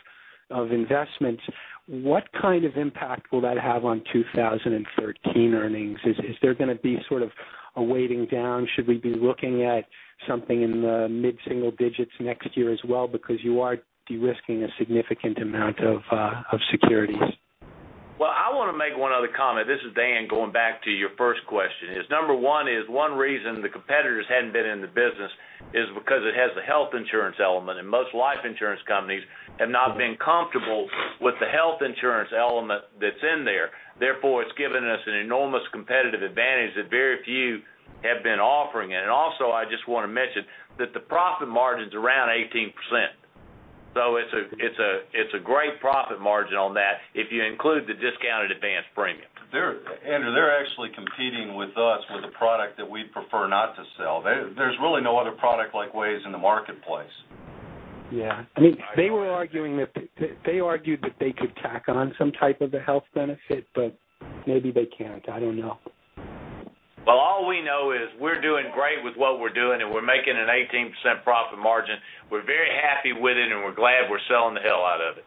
of investments. What kind of impact will that have on 2013 earnings? Is there going to be sort of a weighting down? Should we be looking at something in the mid-single digits next year as well? Because you are de-risking a significant amount of securities. Well, I want to make one other comment. This is Dan, going back to your first question is, number one is, one reason the competitors hadn't been in the business is because it has a health insurance element, and most life insurance companies have not been comfortable with the health insurance element that's in there. Therefore, it's given us an enormous competitive advantage that very few have been offering it. I just want to mention that the profit margin's around 18%. It's a great profit margin on that if you include the discounted advanced premium. Andrew, they're actually competing with us with a product that we'd prefer not to sell. There's really no other product like WAYS in the marketplace. Yeah. I mean, they argued that they could tack on some type of a health benefit, maybe they can't. I don't know. Well, all we know is we're doing great with what we're doing, and we're making an 18% profit margin. We're very happy with it, and we're glad we're selling the hell out of it.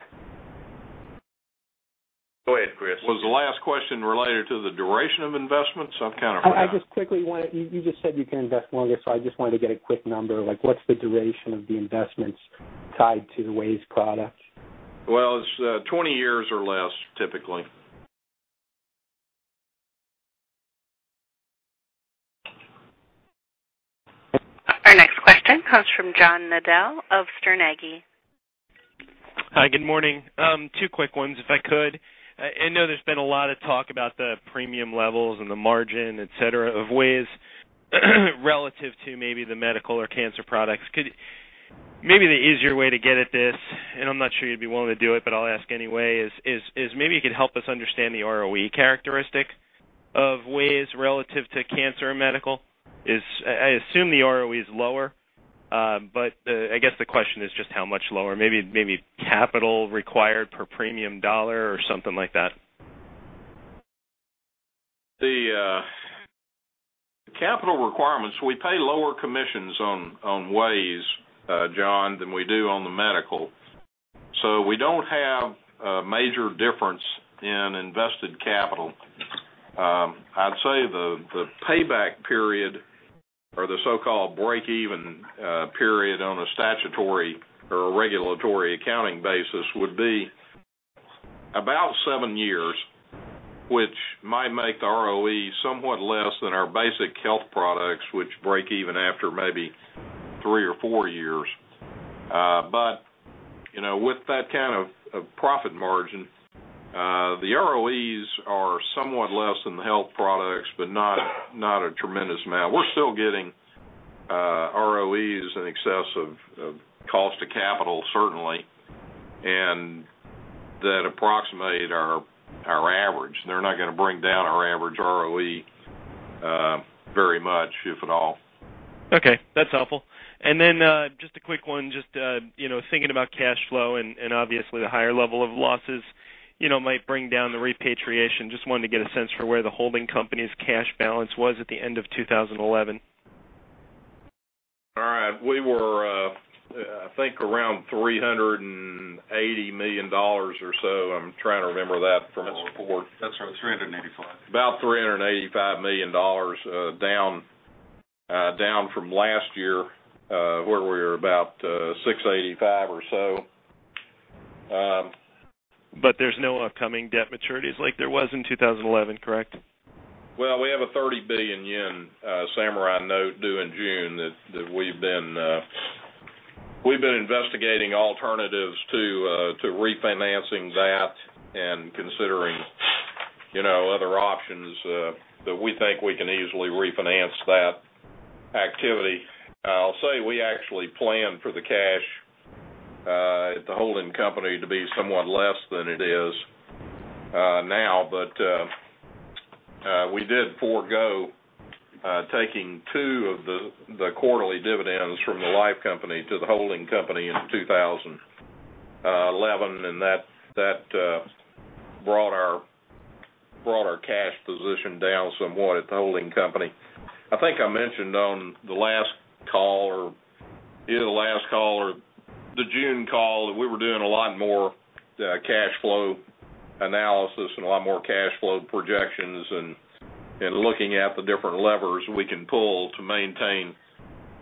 Was the last question related to the duration of investments? I'm kind of forgot. You just said you can invest longer, I just wanted to get a quick number, like what's the duration of the investments tied to the WAYS product? Well, it's 20 years or less, typically. Our next question comes from John Nadel of Sterne Agee. Hi, good morning. Two quick ones, if I could. I know there's been a lot of talk about the premium levels and the margin, et cetera, of WAYS relative to maybe the medical or cancer products. Maybe the easier way to get at this, and I'm not sure you'd be willing to do it, I'll ask anyway, is maybe you could help us understand the ROE characteristic of WAYS relative to cancer and medical. I assume the ROE is lower. I guess the question is just how much lower, maybe capital required per premium dollar or something like that. The capital requirements, we pay lower commissions on WAYS, John, than we do on the medical. We don't have a major difference in invested capital. I'd say the payback period or the so-called break-even period on a statutory or regulatory accounting basis would be about seven years, which might make the ROE somewhat less than our basic health products, which break even after maybe three or four years. With that kind of profit margin, the ROEs are somewhat less than the health products, but not a tremendous amount. We're still getting ROEs in excess of cost to capital, certainly, and that approximate our average. They're not going to bring down our average ROE very much, if at all. Okay. That's helpful. Just a quick one, just thinking about cash flow and obviously the higher level of losses might bring down the repatriation. Just wanted to get a sense for where the holding company's cash balance was at the end of 2011. All right. We were, I think around $380 million or so. I'm trying to remember that from our report. That's right, $385 million. About $385 million down from last year, where we were about $685 million or so. There's no upcoming debt maturities like there was in 2011, correct? We have a 30 billion yen Samurai note due in June that we've been investigating alternatives to refinancing that and considering other options, but we think we can easily refinance that activity. I'll say we actually plan for the cash at the holding company to be somewhat less than it is now. We did forego taking two of the quarterly dividends from the life company to the holding company in 2011, and that brought our cash position down somewhat at the holding company. I think I mentioned on the last call or either the last call or the June call, that we were doing a lot more cash flow analysis and a lot more cash flow projections and looking at the different levers we can pull to maintain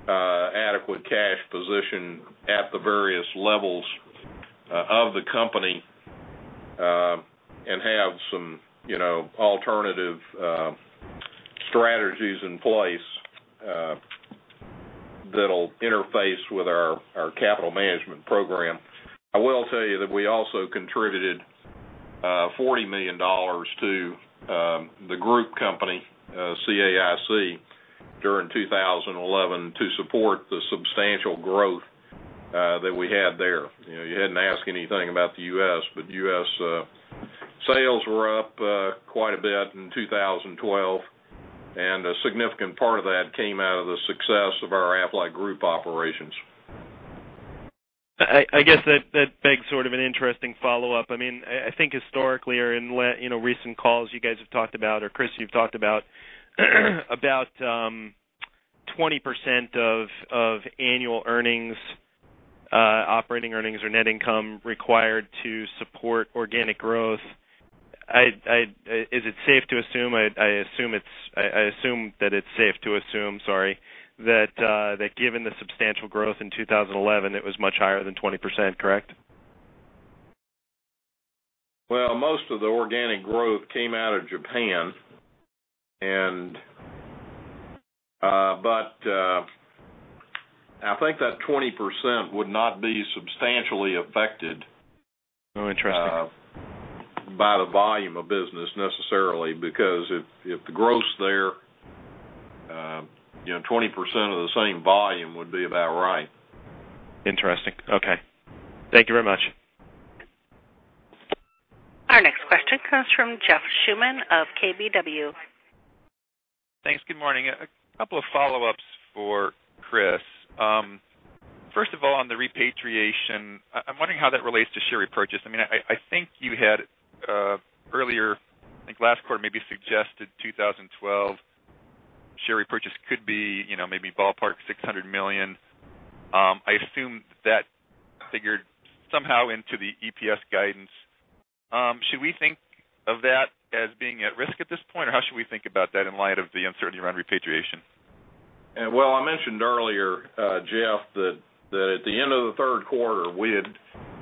adequate cash position at the various levels of the company and have some alternative strategies in place that'll interface with our capital management program. I will tell you that we also contributed $40 million to the group company, CAIC, during 2011 to support the substantial growth that we had there. You hadn't asked anything about the U.S., but U.S. sales were up quite a bit in 2012, and a significant part of that came out of the success of our Aflac group operations. I guess that begs sort of an interesting follow-up. I think historically or in recent calls you guys have talked about, or Kriss, you've talked about 20% of annual earnings, operating earnings, or net income required to support organic growth. Is it safe to assume, I assume that it's safe to assume, sorry, that given the substantial growth in 2011, it was much higher than 20%, correct? Most of the organic growth came out of Japan. I think that 20% would not be substantially affected. Oh, interesting by the volume of business necessarily, because if the growth's there, 20% of the same volume would be about right. Interesting. Okay. Thank you very much. Our next question comes from Jeff Schuman of KBW. Thanks. Good morning. A couple of follow-ups for Kriss. First of all, on the repatriation, I'm wondering how that relates to share repurchase. I think you had earlier, I think last quarter, maybe suggested 2012 could be, maybe ballpark, $600 million. I assumed that figured somehow into the EPS guidance. Should we think of that as being at risk at this point? Or how should we think about that in light of the uncertainty around repatriation? Well, I mentioned earlier, Jeff, that at the end of the third quarter, we had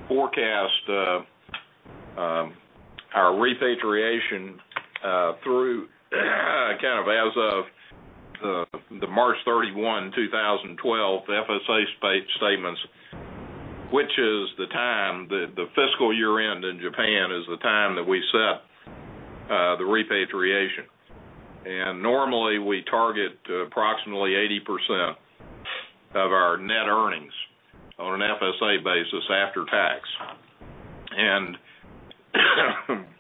forecast our repatriation through kind of as of the March 31, 2012, FSA statements, which is the time the fiscal year-end in Japan is the time that we set the repatriation. Normally, we target approximately 80% of our net earnings on an FSA basis after tax.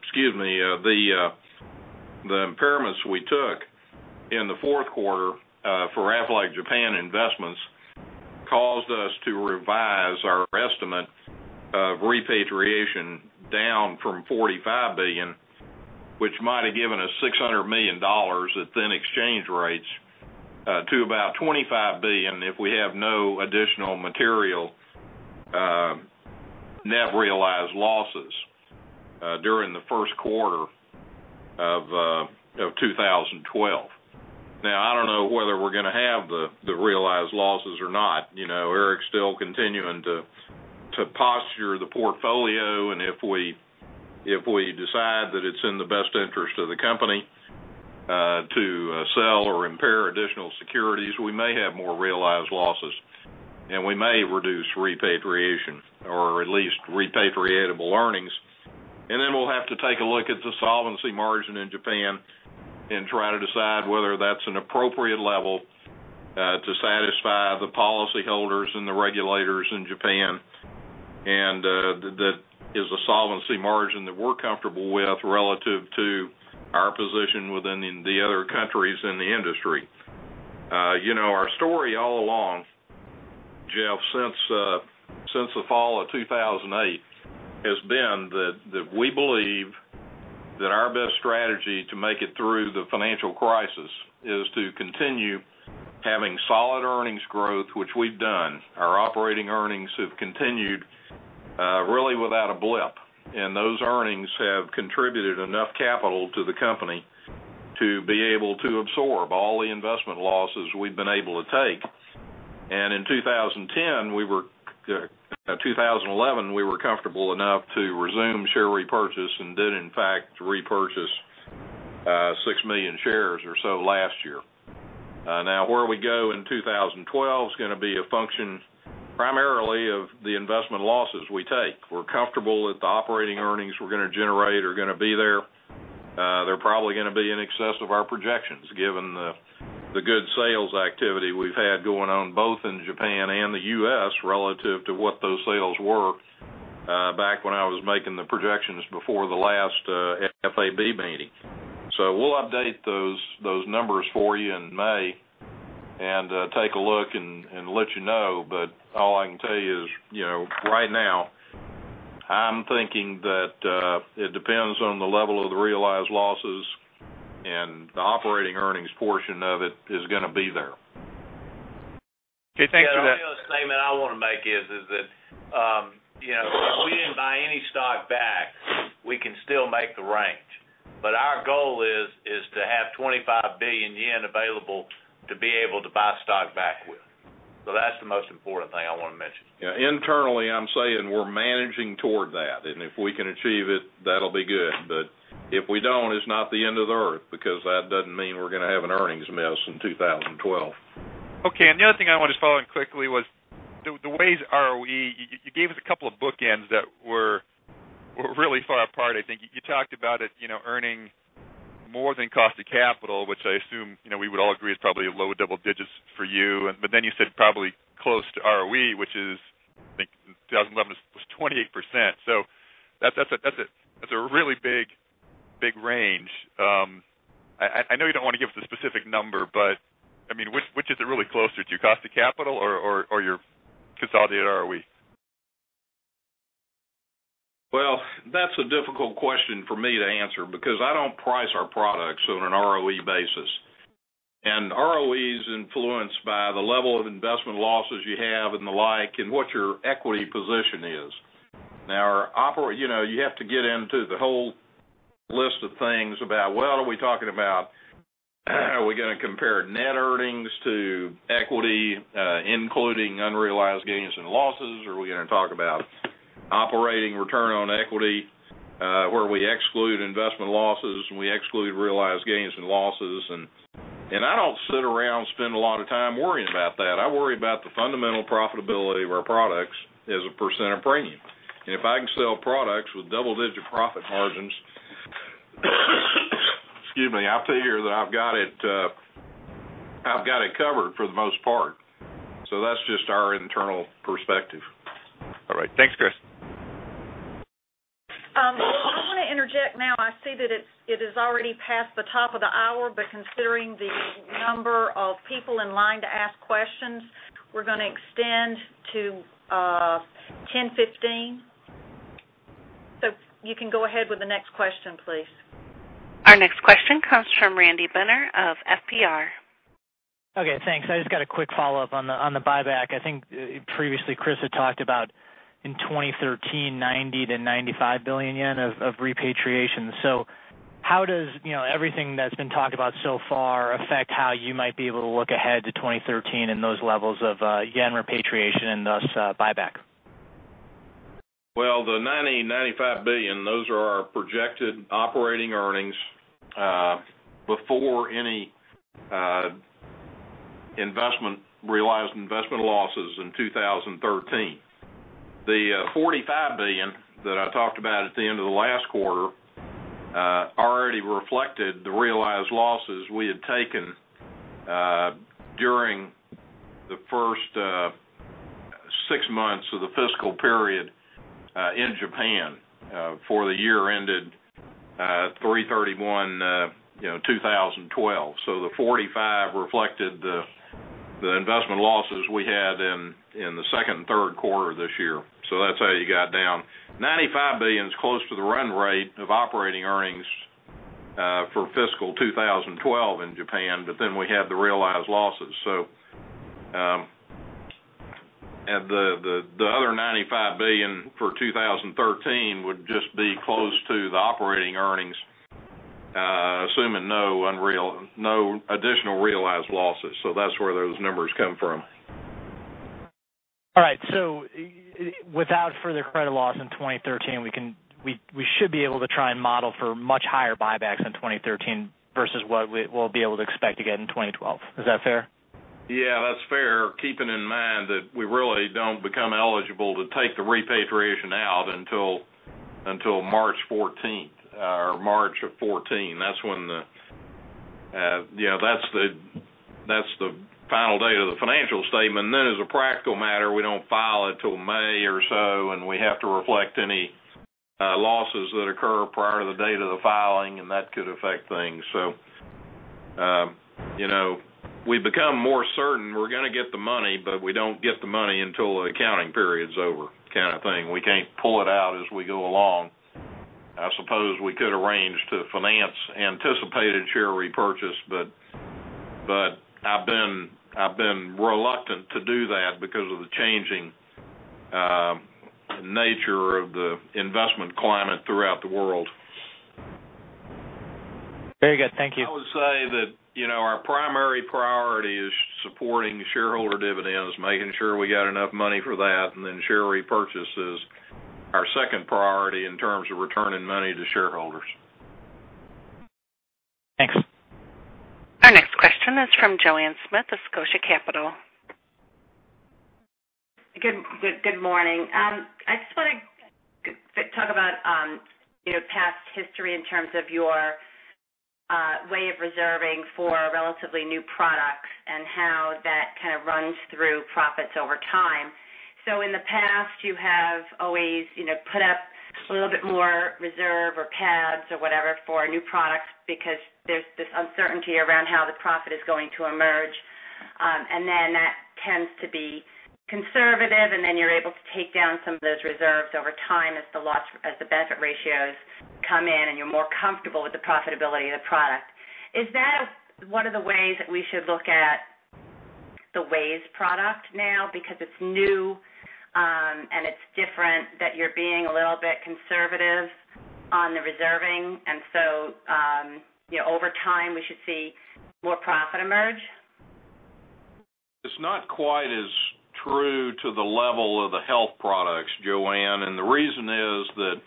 Excuse me. The impairments we took in the fourth quarter for Aflac Japan investments caused us to revise our estimate of repatriation down from 45 billion, which might have given us $600 million at then exchange rates, to about 25 billion if we have no additional material net realized losses during the first quarter of 2012. I don't know whether we're going to have the realized losses or not. Eric's still continuing to posture the portfolio, if we decide that it's in the best interest of the company to sell or impair additional securities, we may have more realized losses. We may reduce repatriation or at least repatriable earnings. We'll have to take a look at the solvency margin in Japan and try to decide whether that's an appropriate level to satisfy the policy holders and the regulators in Japan. That is a solvency margin that we're comfortable with relative to our position within the other countries in the industry. Our story all along, Jeff, since the fall of 2008, has been that we believe that our best strategy to make it through the financial crisis is to continue having solid earnings growth, which we've done. Our operating earnings have continued really without a blip, those earnings have contributed enough capital to the company to be able to absorb all the investment losses we've been able to take. In 2011, we were comfortable enough to resume share repurchase and did in fact repurchase 6 million shares or so last year. Where we go in 2012 is going to be a function primarily of the investment losses we take. We're comfortable that the operating earnings we're going to generate are going to be there. They're probably going to be in excess of our projections, given the good sales activity we've had going on both in Japan and the U.S. relative to what those sales were back when I was making the projections before the last FAB meeting. We'll update those numbers for you in May and take a look and let you know. All I can tell you is right now, I'm thinking that it depends on the level of the realized losses and the operating earnings portion of it is going to be there. Okay, thanks for that. The only other statement I want to make is that we didn't buy any stock back. We can still make the range. Our goal is to have ¥25 billion available to be able to buy stock back with. That's the most important thing I want to mention. Internally, I'm saying we're managing toward that. If we can achieve it, that'll be good. If we don't, it's not the end of the Earth, because that doesn't mean we're going to have an earnings miss in 2012. Okay, the other thing I wanted to follow on quickly was the WAYS ROE, you gave us a couple of bookends that were really far apart, I think. You talked about it earning more than cost of capital, which I assume we would all agree is probably low double digits for you. Then you said probably close to ROE, which is, I think, in 2011 was 28%. That's a really big range. I know you don't want to give us a specific number, which is it really closer to? Cost of capital or your consolidated ROE? Well, that's a difficult question for me to answer, because I don't price our products on an ROE basis. ROE is influenced by the level of investment losses you have and the like and what your equity position is. Now, you have to get into the whole list of things about, well, are we going to compare net earnings to equity, including unrealized gains and losses? Or are we going to talk about operating return on equity, where we exclude investment losses and we exclude realized gains and losses. I don't sit around spend a lot of time worrying about that. I worry about the fundamental profitability of our products as a percent of premium. If I can sell products with double-digit profit margins, excuse me, I figure that I've got it covered for the most part. That's just our internal perspective. All right. Thanks, Kriss. I want to interject now. I see that it is already past the top of the hour, considering the number of people in line to ask questions, we're going to extend to 10:15. You can go ahead with the next question, please. Our next question comes from Randy Binner of FBR. Okay, thanks. I just got a quick follow-up on the buyback. I think previously Kriss had talked about in 2013, 90 billion-95 billion yen of repatriation. How does everything that's been talked about so far affect how you might be able to look ahead to 2013 and those levels of yen repatriation and thus buyback? Well, the 90 billion, 95 billion, those are our projected operating earnings, before any realized investment losses in 2013. The 45 billion that I talked about at the end of the last quarter already reflected the realized losses we had taken during the first six months of the fiscal period in Japan for the year ended 3/31/2012. The 45 billion reflected the investment losses we had in the second and third quarter this year. That's how you got down. 95 billion is close to the run rate of operating earnings for fiscal 2012 in Japan, but then we had the realized losses. The other 95 billion for 2013 would just be close to the operating earnings, assuming no additional realized losses. That's where those numbers come from. All right. Without further credit loss in 2013, we should be able to try and model for much higher buybacks in 2013 versus what we'll be able to expect again in 2012. Is that fair? That's fair, keeping in mind that we really don't become eligible to take the repatriation out until March 14th. That's the final date of the financial statement. As a practical matter, we don't file it till May or so, and we have to reflect any losses that occur prior to the date of the filing, and that could affect things. We become more certain we're going to get the money, but we don't get the money until the accounting period's over, kind of thing. We can't pull it out as we go along. I suppose we could arrange to finance anticipated share repurchase, but I've been reluctant to do that because of the changing nature of the investment climate throughout the world. Very good. Thank you. I would say that our primary priority is supporting shareholder dividends, making sure we got enough money for that. Share repurchase is our second priority in terms of returning money to shareholders. Thanks. Our next question is from Joanne Smith of Scotia Capital. Good morning. I just want to talk about past history in terms of your way of reserving for relatively new products and how that kind of runs through profits over time. In the past, you have always put up a little bit more reserve or pads or whatever for new products because there's this uncertainty around how the profit is going to emerge. That tends to be conservative, and then you're able to take down some of those reserves over time as the benefit ratios come in, and you're more comfortable with the profitability of the product. Is that one of the ways that we should look at the WAYS product now because it's new, and it's different that you're being a little bit conservative on the reserving and so, over time, we should see more profit emerge? It's not quite as true to the level of the health products, Joanne, and the reason is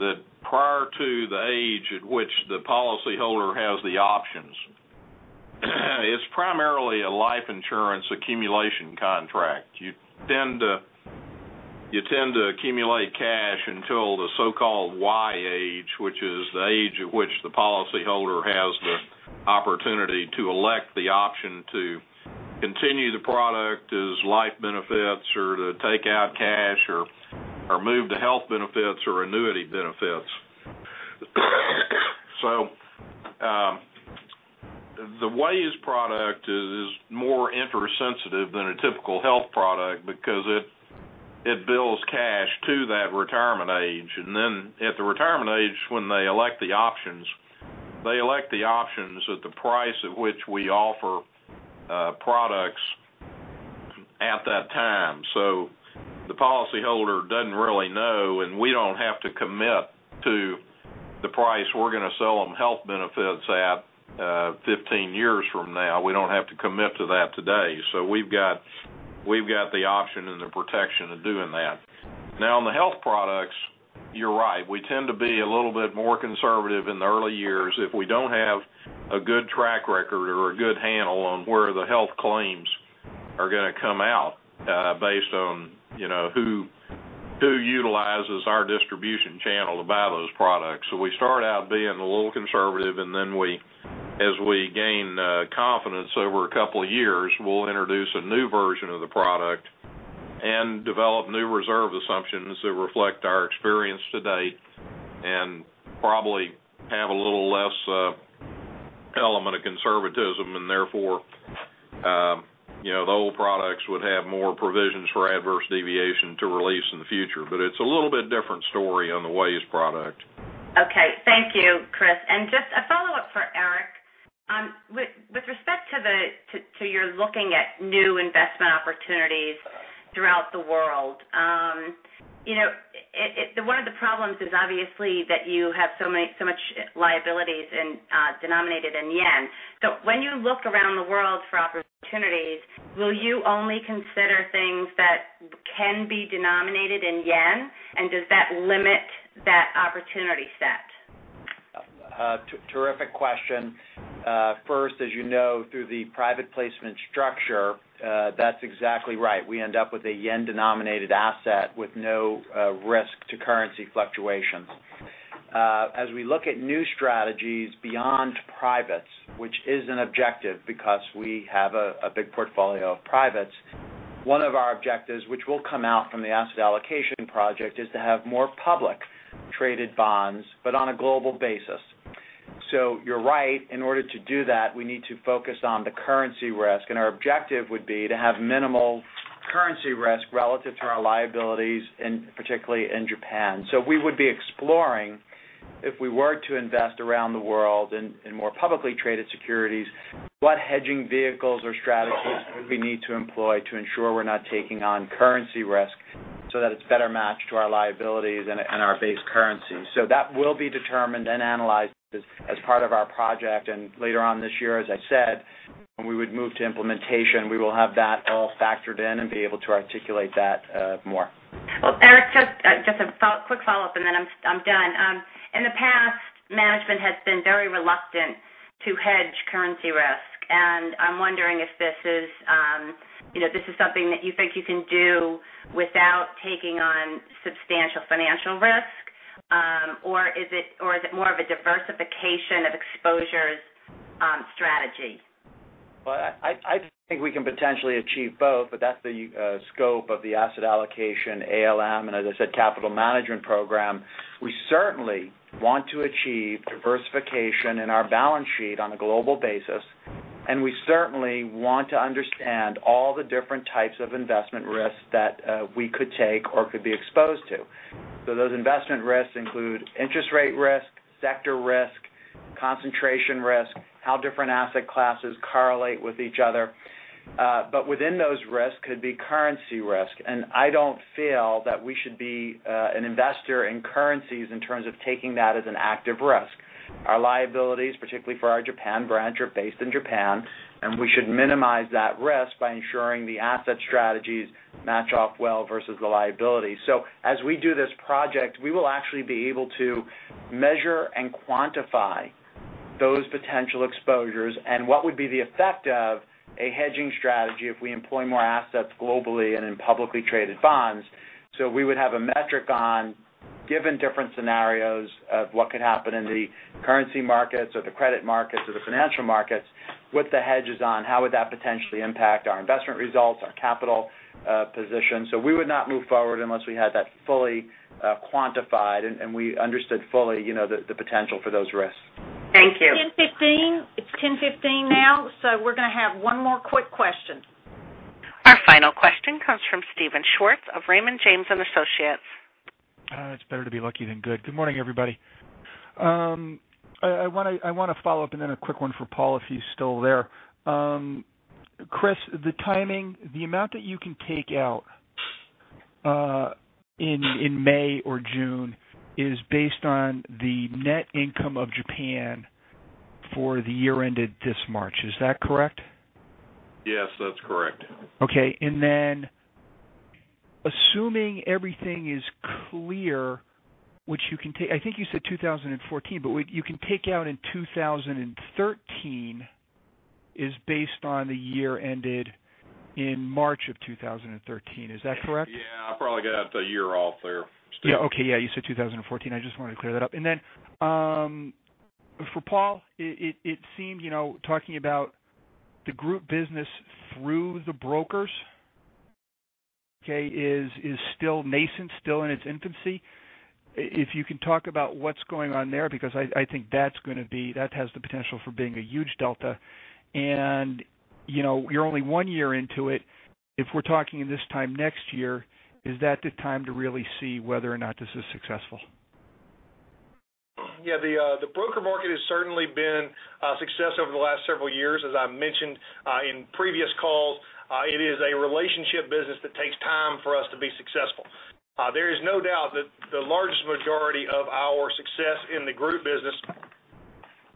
that prior to the age at which the policyholder has the options, it's primarily a life insurance accumulation contract. You tend to accumulate cash until the so-called Y age, which is the age at which the policyholder has the opportunity to elect the option to continue the product as life benefits or to take out cash or move to health benefits or annuity benefits. The WAYS product is more interest sensitive than a typical health product because it builds cash to that retirement age. At the retirement age, when they elect the options, they elect the options at the price at which we offer products at that time. The policyholder doesn't really know, and we don't have to commit to the price we're going to sell them health benefits at 15 years from now. We don't have to commit to that today. We've got the option and the protection of doing that. Now, on the health products, you're right. We tend to be a little bit more conservative in the early years if we don't have a good track record or a good handle on where the health claims are going to come out, based on who utilizes our distribution channel to buy those products. We start out being a little conservative, and then as we gain confidence over a couple of years, we'll introduce a new version of the product and develop new reserve assumptions that reflect our experience to date and probably have a little less conservatism and therefore, the old products would have more provisions for adverse deviation to release in the future. It's a little bit different story on the WAYS product. Okay. Thank you, Kriss. Just a follow-up for Eric. With respect to your looking at new investment opportunities throughout the world, one of the problems is obviously that you have so much liabilities denominated in yen. When you look around the world for opportunities, will you only consider things that can be denominated in yen? Does that limit that opportunity set? Terrific question. First, as you know, through the private placement structure, that's exactly right. We end up with a yen-denominated asset with no risk to currency fluctuations. As we look at new strategies beyond privates, which is an objective because we have a big portfolio of privates, one of our objectives, which will come out from the asset allocation project, is to have more public traded bonds, but on a global basis. You're right. In order to do that, we need to focus on the currency risk, and our objective would be to have minimal currency risk relative to our liabilities, particularly in Japan. We would be exploring, if we were to invest around the world in more publicly traded securities, what hedging vehicles or strategies would we need to employ to ensure we're not taking on currency risk, so that it's better matched to our liabilities and our base currency. That will be determined and analyzed as part of our project. Later on this year, as I said, when we would move to implementation, we will have that all factored in and be able to articulate that more. Well, Eric, just a quick follow-up and then I'm done. In the past, management has been very reluctant to hedge currency risk, and I'm wondering if this is something that you think you can do without taking on substantial financial risk? Is it more of a diversification of exposures strategy? I think we can potentially achieve both, That's the scope of the asset allocation, ALM, and as I said, capital management program. We certainly want to achieve diversification in our balance sheet on a global basis, and we certainly want to understand all the different types of investment risks that we could take or could be exposed to. Those investment risks include interest rate risk, sector risk, concentration risk, how different asset classes correlate with each other. Within those risks could be currency risk, and I don't feel that we should be an investor in currencies in terms of taking that as an active risk. Our liabilities, particularly for our Japan branch, are based in Japan, and we should minimize that risk by ensuring the asset strategies match off well versus the liability. As we do this project, we will actually be able to measure and quantify those potential exposures and what would be the effect of a hedging strategy if we employ more assets globally and in publicly traded bonds. We would have a metric on, given different scenarios of what could happen in the currency markets or the credit markets or the financial markets with the hedges on, how would that potentially impact our investment results, our capital position? We would not move forward unless we had that fully quantified and we understood fully the potential for those risks. Thank you. It's 10:15 now, We're going to have one more quick question. Our final question comes from Steven Schwartz of Raymond James & Associates. It's better to be lucky than good. Good morning, everybody. I want to follow up and then a quick one for Paul if he's still there. Kriss, the timing, the amount that you can take out in May or June is based on the net income of Japan for the year ended this March. Is that correct? Yes, that's correct. Okay. Then assuming everything is clear, which you can take, I think you said 2014, but what you can take out in 2013 is based on the year ended in March of 2013. Is that correct? Yeah, I probably got that a year off there, Steven. Yeah. Okay. Yeah, you said 2014. I just wanted to clear that up. Then, for Paul, it seemed talking about the group business through the brokers is still nascent, still in its infancy. If you can talk about what is going on there, because I think that has the potential for being a huge delta, and you are only one year into it. If we are talking this time next year, is that the time to really see whether or not this is successful? Yeah, the broker market has certainly been a success over the last several years. As I mentioned in previous calls, it is a relationship business that takes time for us to be successful. There is no doubt that the largest majority of our success in the group business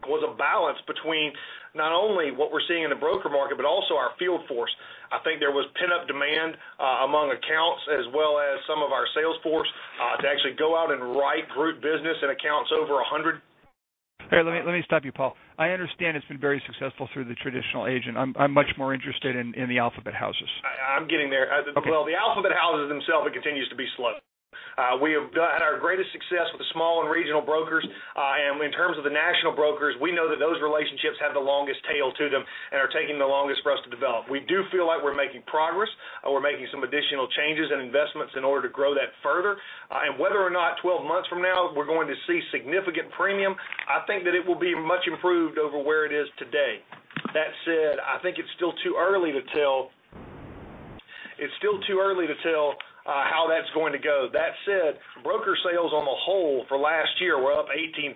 was a balance between not only what we are seeing in the broker market but also our field force. I think there was pent-up demand among accounts as well as some of our sales force to actually go out and write group business and accounts over a hundred- Hey, let me stop you, Paul. I understand it has been very successful through the traditional agent. I am much more interested in the alphabet houses. I'm getting there. Okay. Well, the alphabet houses themselves, it continues to be slow. We have had our greatest success with the small and regional brokers. In terms of the national brokers, we know that those relationships have the longest tail to them and are taking the longest for us to develop. We do feel like we're making progress, and we're making some additional changes and investments in order to grow that further. Whether or not 12 months from now we're going to see significant premium, I think that it will be much improved over where it is today. That said, I think it's still too early to tell how that's going to go. That said, broker sales on the whole for last year were up 18%.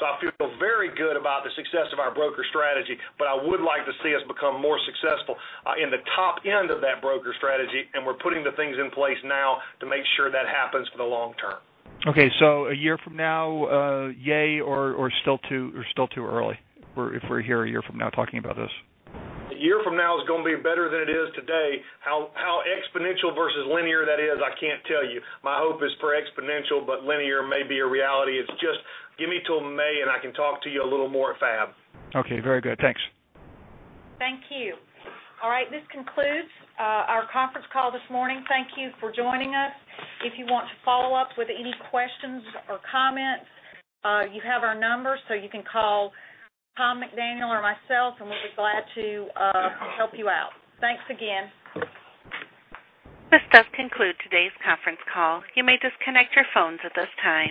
I feel very good about the success of our broker strategy, but I would like to see us become more successful in the top end of that broker strategy, and we're putting the things in place now to make sure that happens for the long term. Okay, a year from now, yay or still too early, if we're here a year from now talking about this? A year from now is going to be better than it is today. How exponential versus linear that is, I can't tell you. My hope is for exponential. Linear may be a reality. It's just give me till May. I can talk to you a little more at FAB. Okay, very good. Thanks. Thank you. All right, this concludes our conference call this morning. Thank you for joining us. If you want to follow up with any questions or comments, you have our number. You can call Tom McDaniel or myself. We'll be glad to help you out. Thanks again. This does conclude today's conference call. You may disconnect your phones at this time.